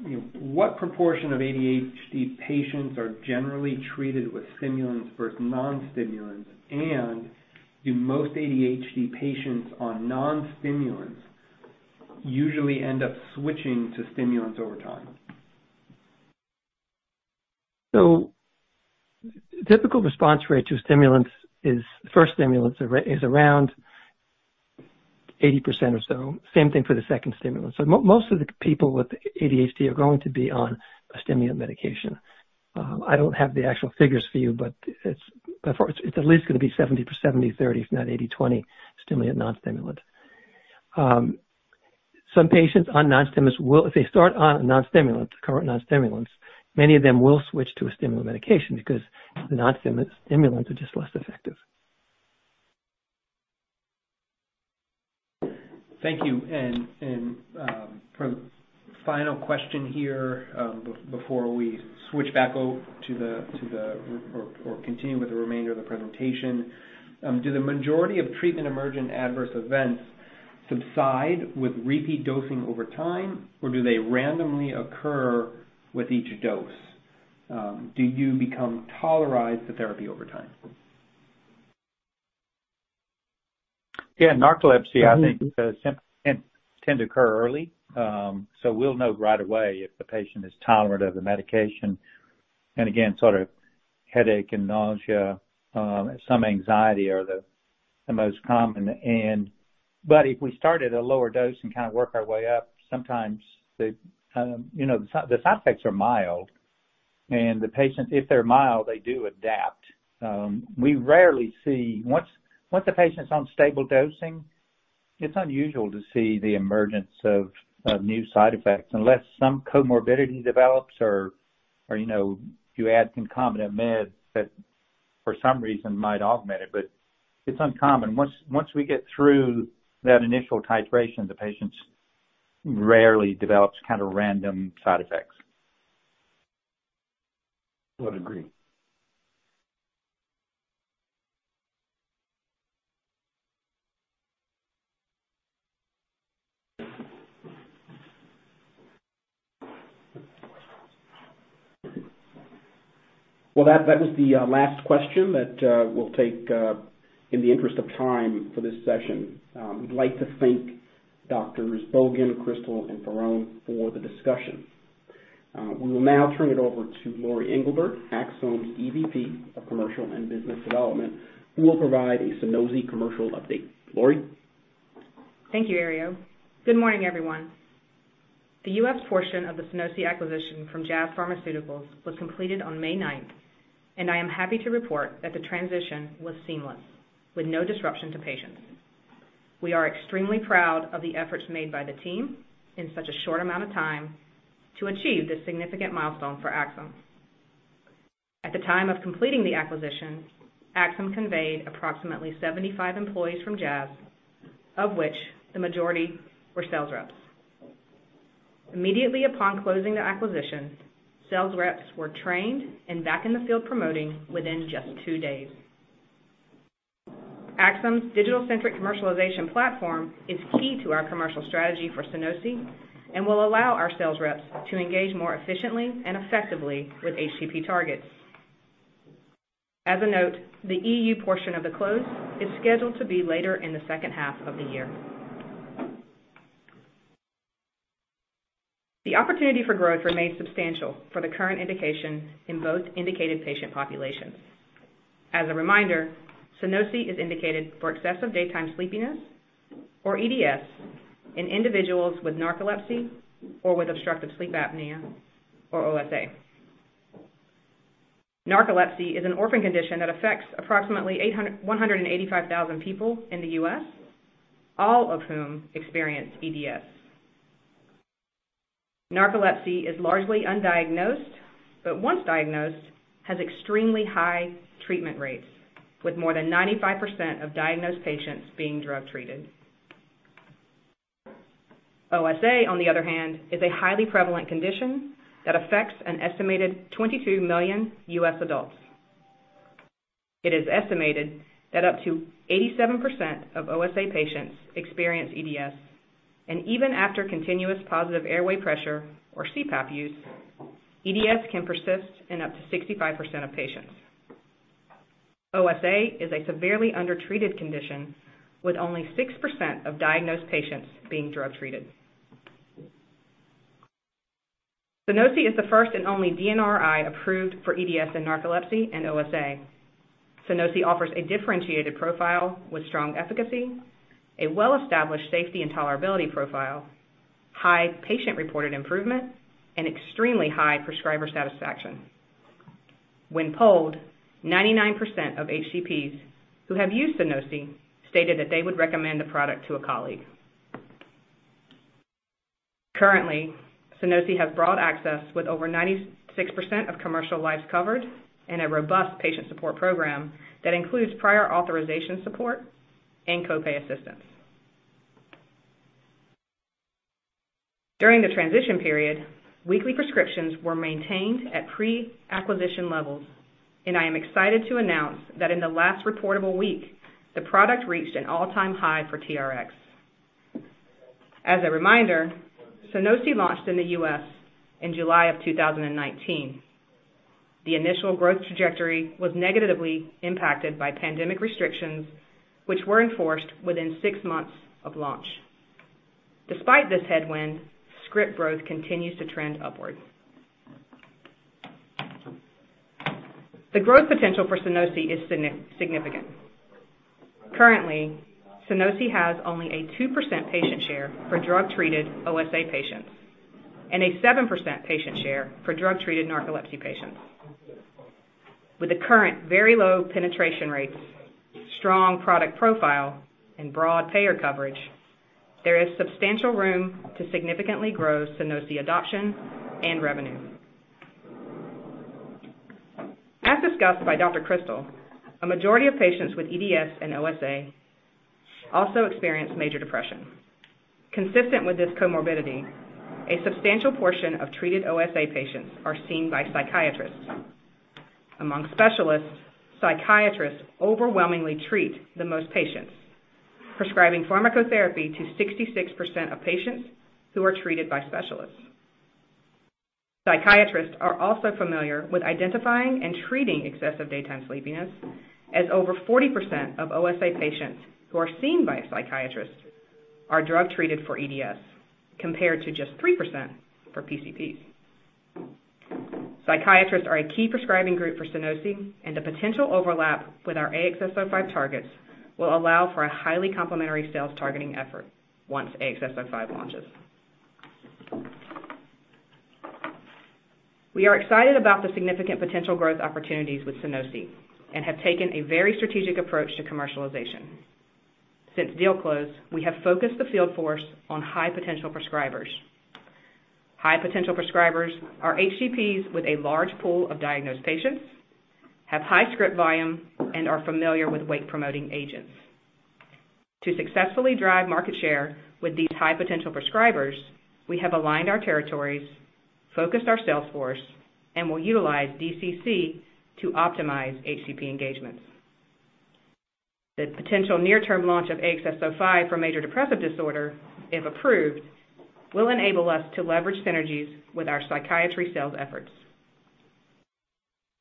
you know, what proportion of ADHD patients are generally treated with stimulants versus non-stimulants? And do most ADHD patients on non-stimulants usually end up switching to stimulants over time? Typical response rate to stimulants is around 80% or so. Same thing for the second stimulant. Most of the people with ADHD are going to be on a stimulant medication. I don't have the actual figures for you, but it's at least gonna be 70%/30%, if not 80%/20% stimulant/non-stimulant. Some patients on non-stimulants will, if they start on a non-stimulant, the current non-stimulants, many of them will switch to a stimulant medication because the non-stimulants are just less effective. Thank you. For final question here, before we switch back over to the or continue with the remainder of the presentation. Do the majority of treatment emergent adverse events subside with repeat dosing over time, or do they randomly occur with each dose? Do you become tolerized to therapy over time? Yeah. Narcolepsy, I think, symptoms tend to occur early. We'll know right away if the patient is tolerant of the medication. Again, sort of, headache and nausea, some anxiety are the most common. But if we start at a lower dose and kind of work our way up, sometimes the, you know, the side effects are mild. The patients, if they're mild, they do adapt. We rarely see. Once the patient's on stable dosing, it's unusual to see the emergence of new side effects unless some comorbidity develops or, you know, you add some concomitant meds that for some reason might augment it, but it's uncommon. Once we get through that initial titration, the patients rarely develops kind of random side effects. Would agree. Well, that was the last question that we'll take in the interest of time for this session. We'd like to thank Dr. Bogan, Dr. Krystal, and Dr. Faraone for the discussion. We will now turn it over to Lori Englebert, Axsome's EVP of Commercial and Business Development, who will provide a Sunosi commercial update. Lori. Thank you, Herriot. Good morning, everyone. The U.S. portion of the Sunosi acquisition from Jazz Pharmaceuticals was completed on May ninth, and I am happy to report that the transition was seamless with no disruption to patients. We are extremely proud of the efforts made by the team in such a short amount of time to achieve this significant milestone for Axsome. At the time of completing the acquisition, Axsome conveyed approximately 75 employees from Jazz, of which the majority were sales reps. Immediately upon closing the acquisition, sales reps were trained and back in the field promoting within just two days. Axsome's digital-centric commercialization platform is key to our commercial strategy for Sunosi and will allow our sales reps to engage more efficiently and effectively with HCP targets. As a note, the EU portion of the close is scheduled to be later in the H2 of the year. The opportunity for growth remains substantial for the current indication in both indicated patient populations. As a reminder, Sunosi is indicated for excessive daytime sleepiness, or EDS, in individuals with narcolepsy or with obstructive sleep apnea, or OSA. Narcolepsy is an orphan condition that affects approximately 185,000 people in the U.S., all of whom experience EDS. Narcolepsy is largely undiagnosed, but once diagnosed, has extremely high treatment rates, with more than 95% of diagnosed patients being drug-treated. OSA, on the other hand, is a highly prevalent condition that affects an estimated 22 million US adults. It is estimated that up to 87% of OSA patients experience EDS, and even after continuous positive airway pressure or CPAP use, EDS can persist in up to 65% of patients. OSA is a severely undertreated condition with only 6% of diagnosed patients being drug-treated. Sunosi is the first and only DNRI approved for EDS and narcolepsy and OSA. Sunosi offers a differentiated profile with strong efficacy, a well-established safety and tolerability profile, high patient-reported improvement, and extremely high prescriber satisfaction. When polled, 99% of HCPs who have used Sunosi stated that they would recommend the product to a colleague. Currently, Sunosi has broad access with over 96% of commercial lives covered and a robust patient support program that includes prior authorization support and co-pay assistance. During the transition period, weekly prescriptions were maintained at pre-acquisition levels, and I am excited to announce that in the last reportable week, the product reached an all-time high for TRx. As a reminder, Sunosi launched in the U.S. in July 2019. The initial growth trajectory was negatively impacted by pandemic restrictions, which were enforced within six months of launch. Despite this headwind, script growth continues to trend upwards. The growth potential for Sunosi is significant. Currently, Sunosi has only a 2% patient share for drug-treated OSA patients and a 7% patient share for drug-treated narcolepsy patients. With the current very low penetration rates, strong product profile, and broad payer coverage, there is substantial room to significantly grow Sunosi adoption and revenue. As discussed by Dr. Krystal, a majority of patients with EDS and OSA also experience major depression. Consistent with this comorbidity, a substantial portion of treated OSA patients are seen by psychiatrists. Among specialists, psychiatrists overwhelmingly treat the most patients, prescribing pharmacotherapy to 66% of patients who are treated by specialists. Psychiatrists are also familiar with identifying and treating excessive daytime sleepiness as over 40% of OSA patients who are seen by a psychiatrist are drug-treated for EDS, compared to just 3% for PCPs. Psychiatrists are a key prescribing group for Sunosi, and a potential overlap with our AXS-05 targets will allow for a highly complementary sales targeting effort once AXS-05 launches. We are excited about the significant potential growth opportunities with Sunosi and have taken a very strategic approach to commercialization. Since deal close, we have focused the field force on high-potential prescribers. High-potential prescribers are HCPs with a large pool of diagnosed patients, have high script volume, and are familiar with wake-promoting agents. To successfully drive market share with these high-potential prescribers, we have aligned our territories, focused our sales force, and will utilize DCC to optimize HCP engagements. The potential near-term launch of AXS-05 for major depressive disorder, if approved, will enable us to leverage synergies with our psychiatry sales efforts.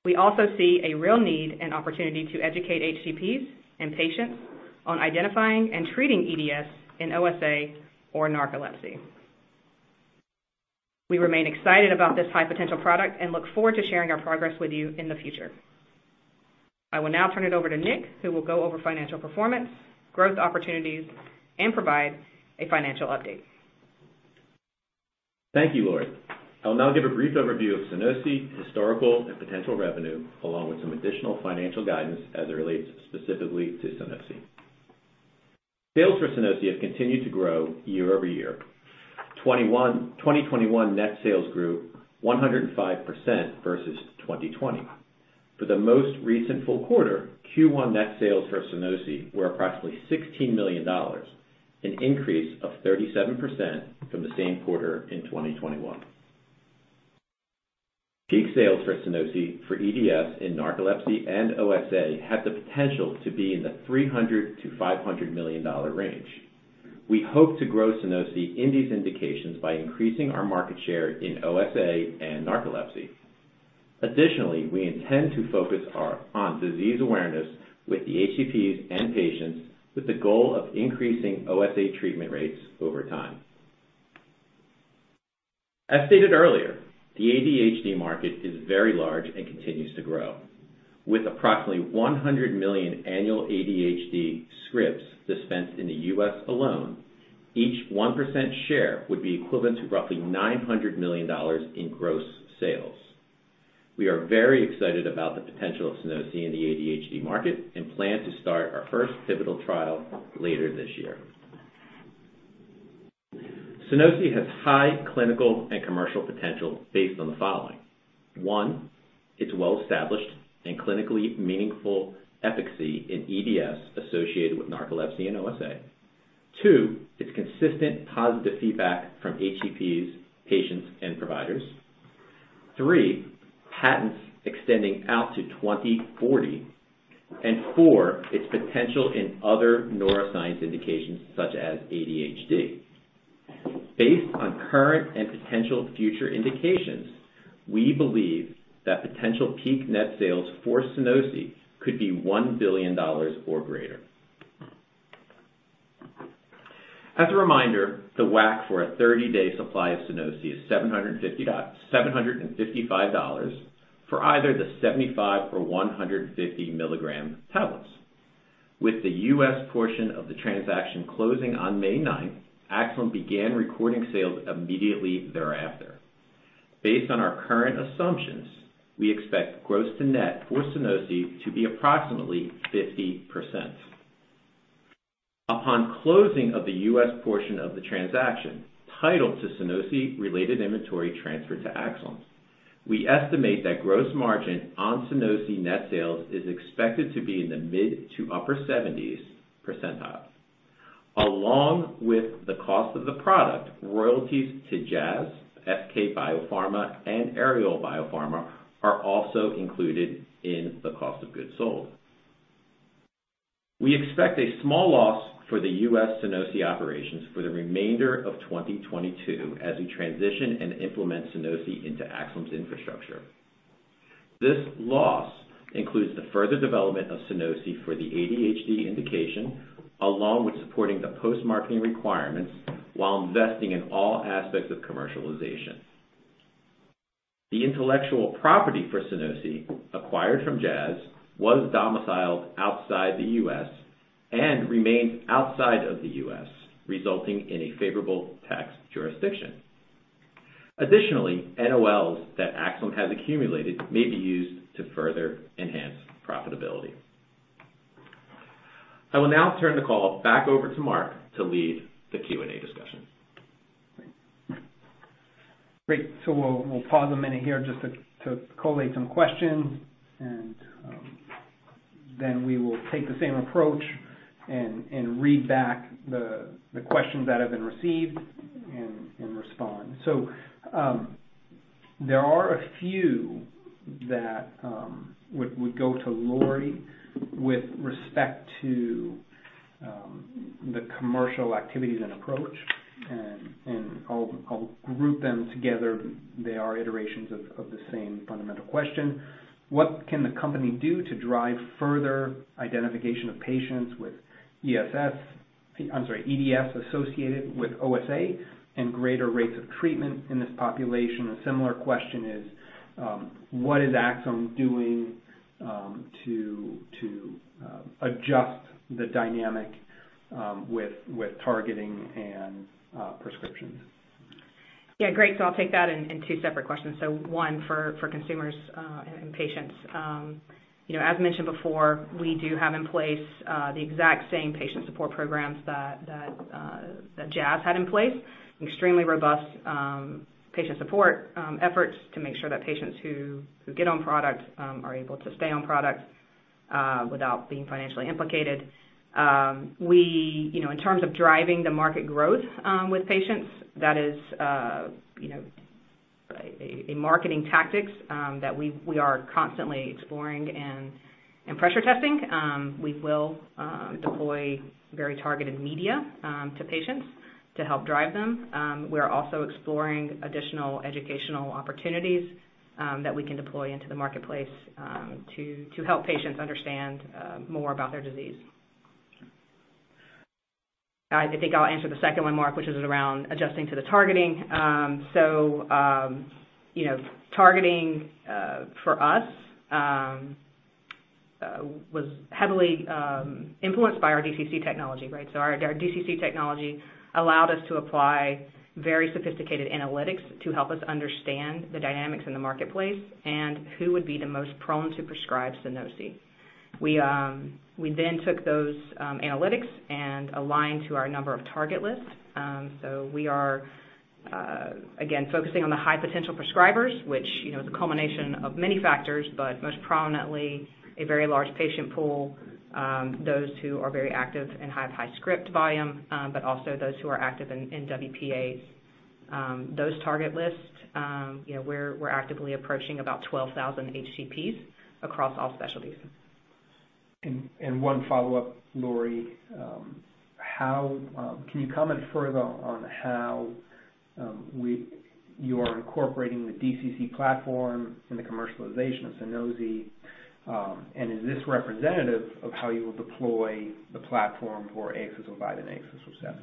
We also see a real need and opportunity to educate HCPs and patients on identifying and treating EDS in OSA or narcolepsy. We remain excited about this high potential product and look forward to sharing our progress with you in the future. I will now turn it over to Nick, who will go over financial performance, growth opportunities, and provide a financial update. Thank you, Lori. I'll now give a brief overview of Sunosi historical and potential revenue, along with some additional financial guidance as it relates specifically to Sunosi. Sales for Sunosi have continued to grow year-over-year. 2021 net sales grew 105% versus 2020. For the most recent full quarter, Q1 net sales for Sunosi were approximately $16 million, an increase of 37% from the same quarter in 2021. Peak sales for Sunosi for EDS in narcolepsy and OSA have the potential to be in the $300-$500 million range. We hope to grow Sunosi in these indications by increasing our market share in OSA and narcolepsy. Additionally, we intend to focus on disease awareness with the HCPs and patients with the goal of increasing OSA treatment rates over time. As stated earlier, the ADHD market is very large and continues to grow. With approximately 100 million annual ADHD scripts dispensed in the U.S. alone, each 1% share would be equivalent to roughly $900 million in gross sales. We are very excited about the potential of Sunosi in the ADHD market and plan to start our first pivotal trial later this year. Sunosi has high clinical and commercial potential based on the following. One, it's well established and clinically meaningful efficacy in EDS associated with narcolepsy and OSA. Two, it's consistent positive feedback from HCPs, patients, and providers. Three, patents extending out to 2040. Four, its potential in other neuroscience indications such as ADHD. Based on current and potential future indications, we believe that potential peak net sales for Sunosi could be $1 billion or greater. As a reminder, the WAC for a 30-day supply of Sunosi is $755 for either the 75- or 150-mg tablets. With the U.S. portion of the transaction closing on May ninth, Axsome began recording sales immediately thereafter. Based on our current assumptions, we expect gross-to-net for Sunosi to be approximately 50%. Upon closing of the U.S. portion of the transaction, title to Sunosi-related inventory transferred to Axsome. We estimate that gross margin on Sunosi net sales is expected to be in the mid- to upper-70s percent. Along with the cost of the product, royalties to Jazz, SK Biopharmaceuticals, and Aerial BioPharma are also included in the cost of goods sold. We expect a small loss for the U.S. Sunosi operations for the remainder of 2022 as we transition and implement Sunosi into Axsome's infrastructure. This loss includes the further development of Sunosi for the ADHD indication, along with supporting the post-marketing requirements while investing in all aspects of commercialization. The intellectual property for Sunosi acquired from Jazz was domiciled outside the U.S. and remains outside of the U.S., resulting in a favorable tax jurisdiction. Additionally, NOLs that Axsome has accumulated may be used to further enhance profitability. I will now turn the call back over to Mark to lead the Q&A discussion. Great. We'll pause a minute here just to collate some questions and then we will take the same approach and read back the questions that have been received and respond. There are a few that would go to Lori with respect to the commercial activities and approach. I'll group them together. They are iterations of the same fundamental question. What can the company do to drive further identification of patients with EDS associated with OSA and greater rates of treatment in this population? A similar question is what is Axsome doing to adjust the dynamic with targeting and prescriptions? Yeah, great. I'll take that in two separate questions. One for consumers and patients. You know, as mentioned before, we do have in place the exact same patient support programs that Jazz had in place. Extremely robust patient support efforts to make sure that patients who get on product are able to stay on product without being financially implicated. You know, in terms of driving the market growth with patients, that is you know, a marketing tactics that we are constantly exploring and pressure testing. We will deploy very targeted media to patients to help drive them. We are also exploring additional educational opportunities that we can deploy into the marketplace to help patients understand more about their disease. I think I'll answer the second one, Mark, which is around adjusting to the targeting. You know, targeting for us was heavily influenced by our DCC technology, right? Our DCC technology allowed us to apply very sophisticated analytics to help us understand the dynamics in the marketplace and who would be the most prone to prescribe Sunosi. We then took those analytics and aligned to our number of target lists. We are again focusing on the high potential prescribers, which, you know, is a culmination of many factors, but most prominently a very large patient pool, those who are very active and have high script volume, but also those who are active in WPAs. Those target lists, you know, we're actively approaching about 12,000 HCPs across all specialties. One follow-up, Laurie. How can you comment further on how you are incorporating the DCC platform in the commercialization of Sunosi? Is this representative of how you will deploy the platform for AXS-05 and AXS-07?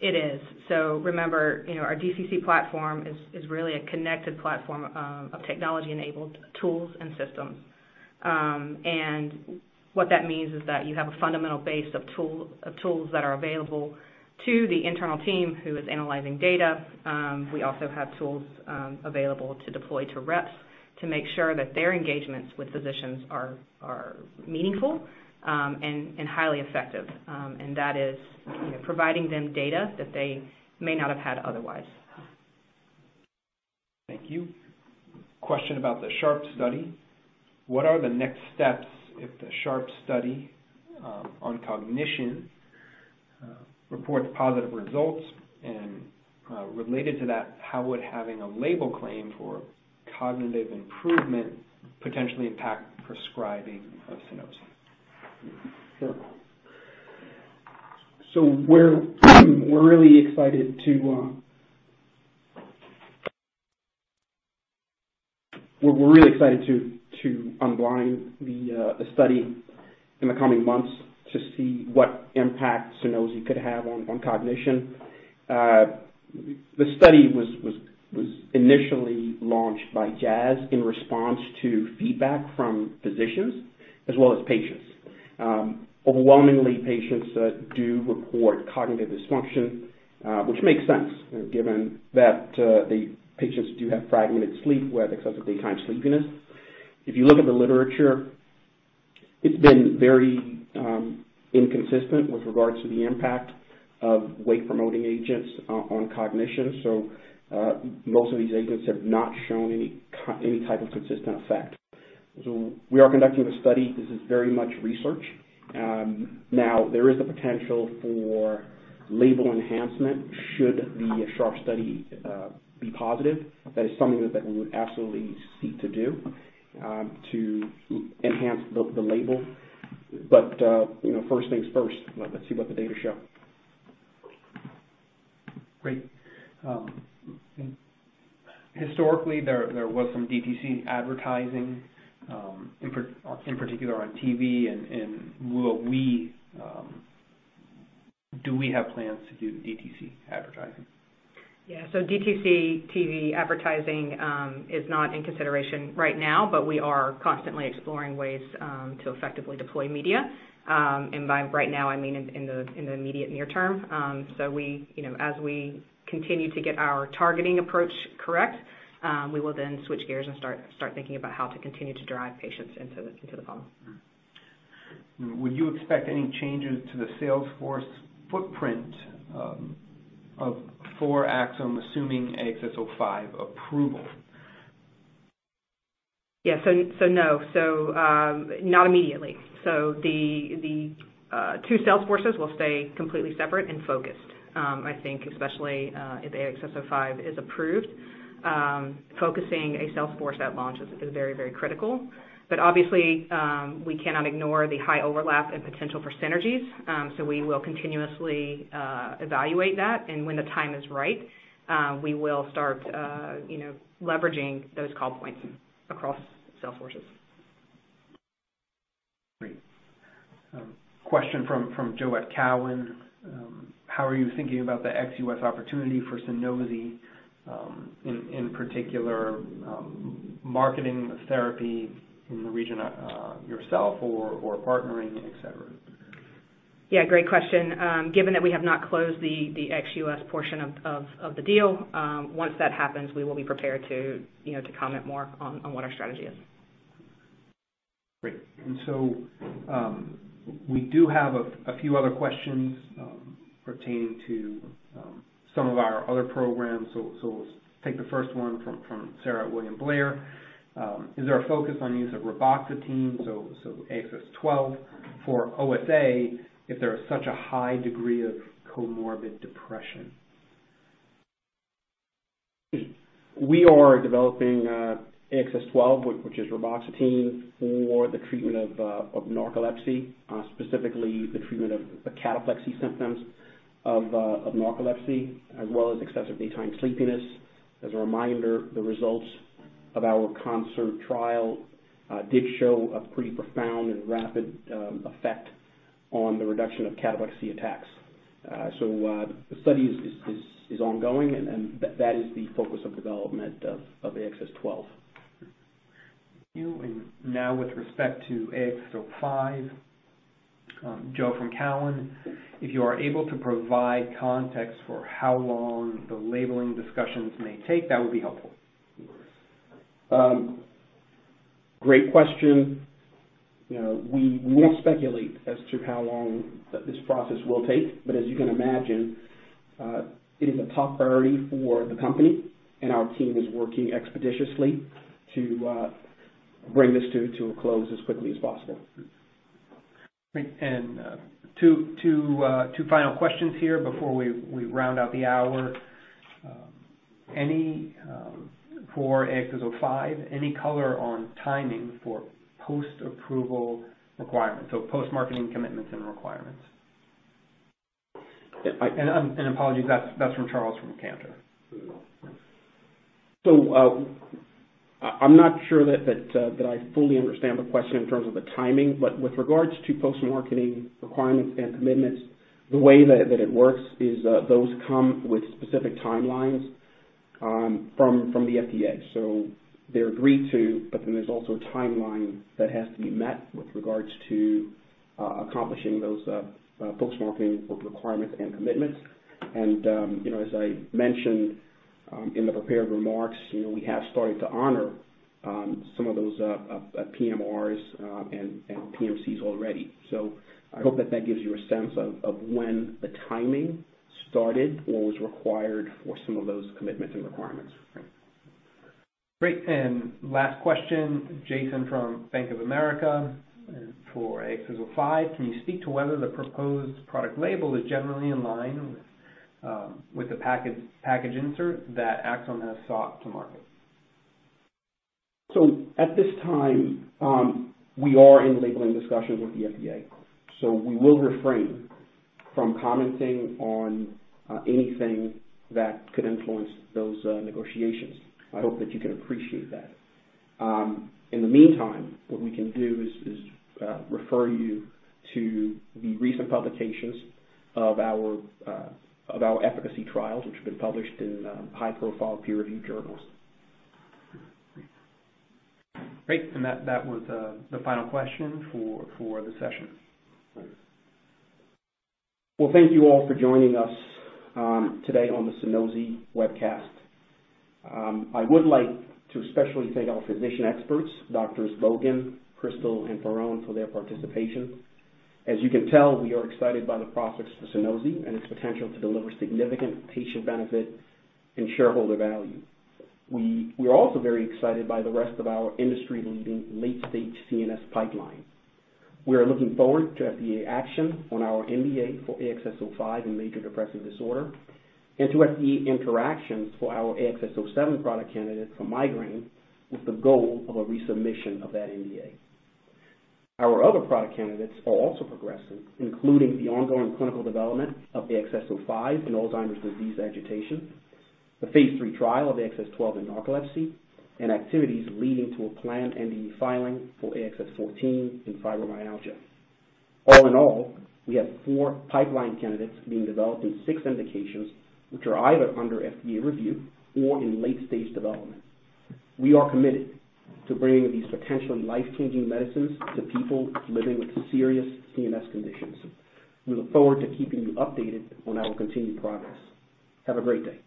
It is. Remember, you know, our DCC platform is really a connected platform of technology-enabled tools and systems. What that means is that you have a fundamental base of tools that are available to the internal team who is analyzing data. We also have tools available to deploy to reps to make sure that their engagements with physicians are meaningful and highly effective. That is, you know, providing them data that they may not have had otherwise. Thank you. Question about the SHARP study. What are the next steps if the SHARP study on cognition reports positive results? Related to that, how would having a label claim for cognitive improvement potentially impact prescribing of Sunosi? Sure. We're really excited to unblind the study in the coming months to see what impact Sunosi could have on cognition. The study was initially launched by Jazz in response to feedback from physicians as well as patients. Overwhelmingly, patients do report cognitive dysfunction, which makes sense given that the patients do have fragmented sleep with excessive daytime sleepiness. If you look at the literature, it's been very inconsistent with regards to the impact of wake-promoting agents on cognition. Most of these agents have not shown any type of consistent effect. We are conducting a study. This is very much research. Now there is the potential for label enhancement should the SHARP study be positive. That is something that we would absolutely seek to do to enhance the label. You know, first things first. Let's see what the data show. Great. Historically, there was some DTC advertising, in particular on TV, and do we have plans to do DTC advertising? Yeah. DTC TV advertising is not in consideration right now, but we are constantly exploring ways to effectively deploy media. By right now, I mean in the immediate near term. You know, as we continue to get our targeting approach correct, we will then switch gears and start thinking about how to continue to drive patients into the funnel. Would you expect any changes to the sales force footprint for Axsome, assuming AXS-05 approval? Yeah. No, not immediately. The two sales forces will stay completely separate and focused. I think especially if AXS-05 is approved, focusing a sales force at launch is very critical. Obviously, we cannot ignore the high overlap and potential for synergies. We will continuously evaluate that, and when the time is right, we will start you know, leveraging those call points across sales forces. Great. Question from Joe Thome. How are you thinking about the ex-US opportunity for Sunosi, in particular, marketing the therapy in the region, yourself or partnering, et cetera? Yeah, great question. Given that we have not closed the ex-US portion of the deal, once that happens, we will be prepared to, you know, to comment more on what our strategy is. Great. We do have a few other questions pertaining to some of our other programs. We'll take the first one from Sarah at William Blair. Is there a focus on the use of reboxetine, so AXS-12 for OSA if there is such a high degree of comorbid depression? We are developing AXS-12, which is reboxetine for the treatment of narcolepsy, specifically the treatment of the cataplexy symptoms of narcolepsy, as well as excessive daytime sleepiness. As a reminder, the results of our CONCERT trial did show a pretty profound and rapid effect on the reduction of cataplexy attacks. The study is ongoing and that is the focus of development of AXS-12. Thank you, and now with respect to AXS-05, Joe from Cowen, if you are able to provide context for how long the labeling discussions may take, that would be helpful. Great question. You know, we won't speculate as to how long this process will take, but as you can imagine, it is a top priority for the company, and our team is working expeditiously to bring this to a close as quickly as possible. Great. Two final questions here before we round out the hour. For AXS-05, any color on timing for post-approval requirements, so post-marketing commitments and requirements? Apologies, that's from Charles Duncan from Cantor Fitzgerald. I'm not sure that I fully understand the question in terms of the timing, but with regards to post-marketing requirements and commitments, the way that it works is those come with specific timelines from the FDA. They're agreed to, but then there's also a timeline that has to be met with regards to accomplishing those post-marketing requirements and commitments. You know, as I mentioned, in the prepared remarks, you know, we have started to honor some of those PMRs and PMCs already. I hope that gives you a sense of when the timing started or was required for some of those commitments and requirements. Great. Last question, Jason Gerberry from Bank of America. For AXS-05, can you speak to whether the proposed product label is generally in line with the package insert that Axsome has sought to market? At this time, we are in labeling discussions with the FDA, so we will refrain from commenting on anything that could influence those negotiations. I hope that you can appreciate that. In the meantime, what we can do is refer you to the recent publications of our efficacy trials, which have been published in high-profile peer-reviewed journals. Great. That was the final question for the session. Well, thank you all for joining us, today on the Sunosi webcast. I would like to especially thank our physician experts, Dr. Bogan, Krystal, and Faraone for their participation. As you can tell, we are excited by the prospects for Sunosi and its potential to deliver significant patient benefit and shareholder value. We're also very excited by the rest of our industry-leading late-stage CNS pipeline. We are looking forward to FDA action on our NDA for AXS-05 in major depressive disorder and to FDA interactions for our AXS-07 product candidate for migraine with the goal of a resubmission of that NDA. Our other product candidates are also progressing, including the ongoing clinical development of AXS-05 in Alzheimer's disease agitation, the phase III trial of AXS-12 in narcolepsy, and activities leading to a planned NDA filing for AXS-14 in fibromyalgia. All in all, we have four pipeline candidates being developed in six indications which are either under FDA review or in late-stage development. We are committed to bringing these potentially life-changing medicines to people living with serious CNS conditions. We look forward to keeping you updated on our continued progress. Have a great day.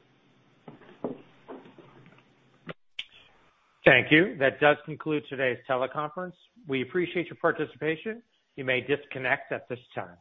Thank you. That does conclude today's teleconference. We appreciate your participation. You may disconnect at this time.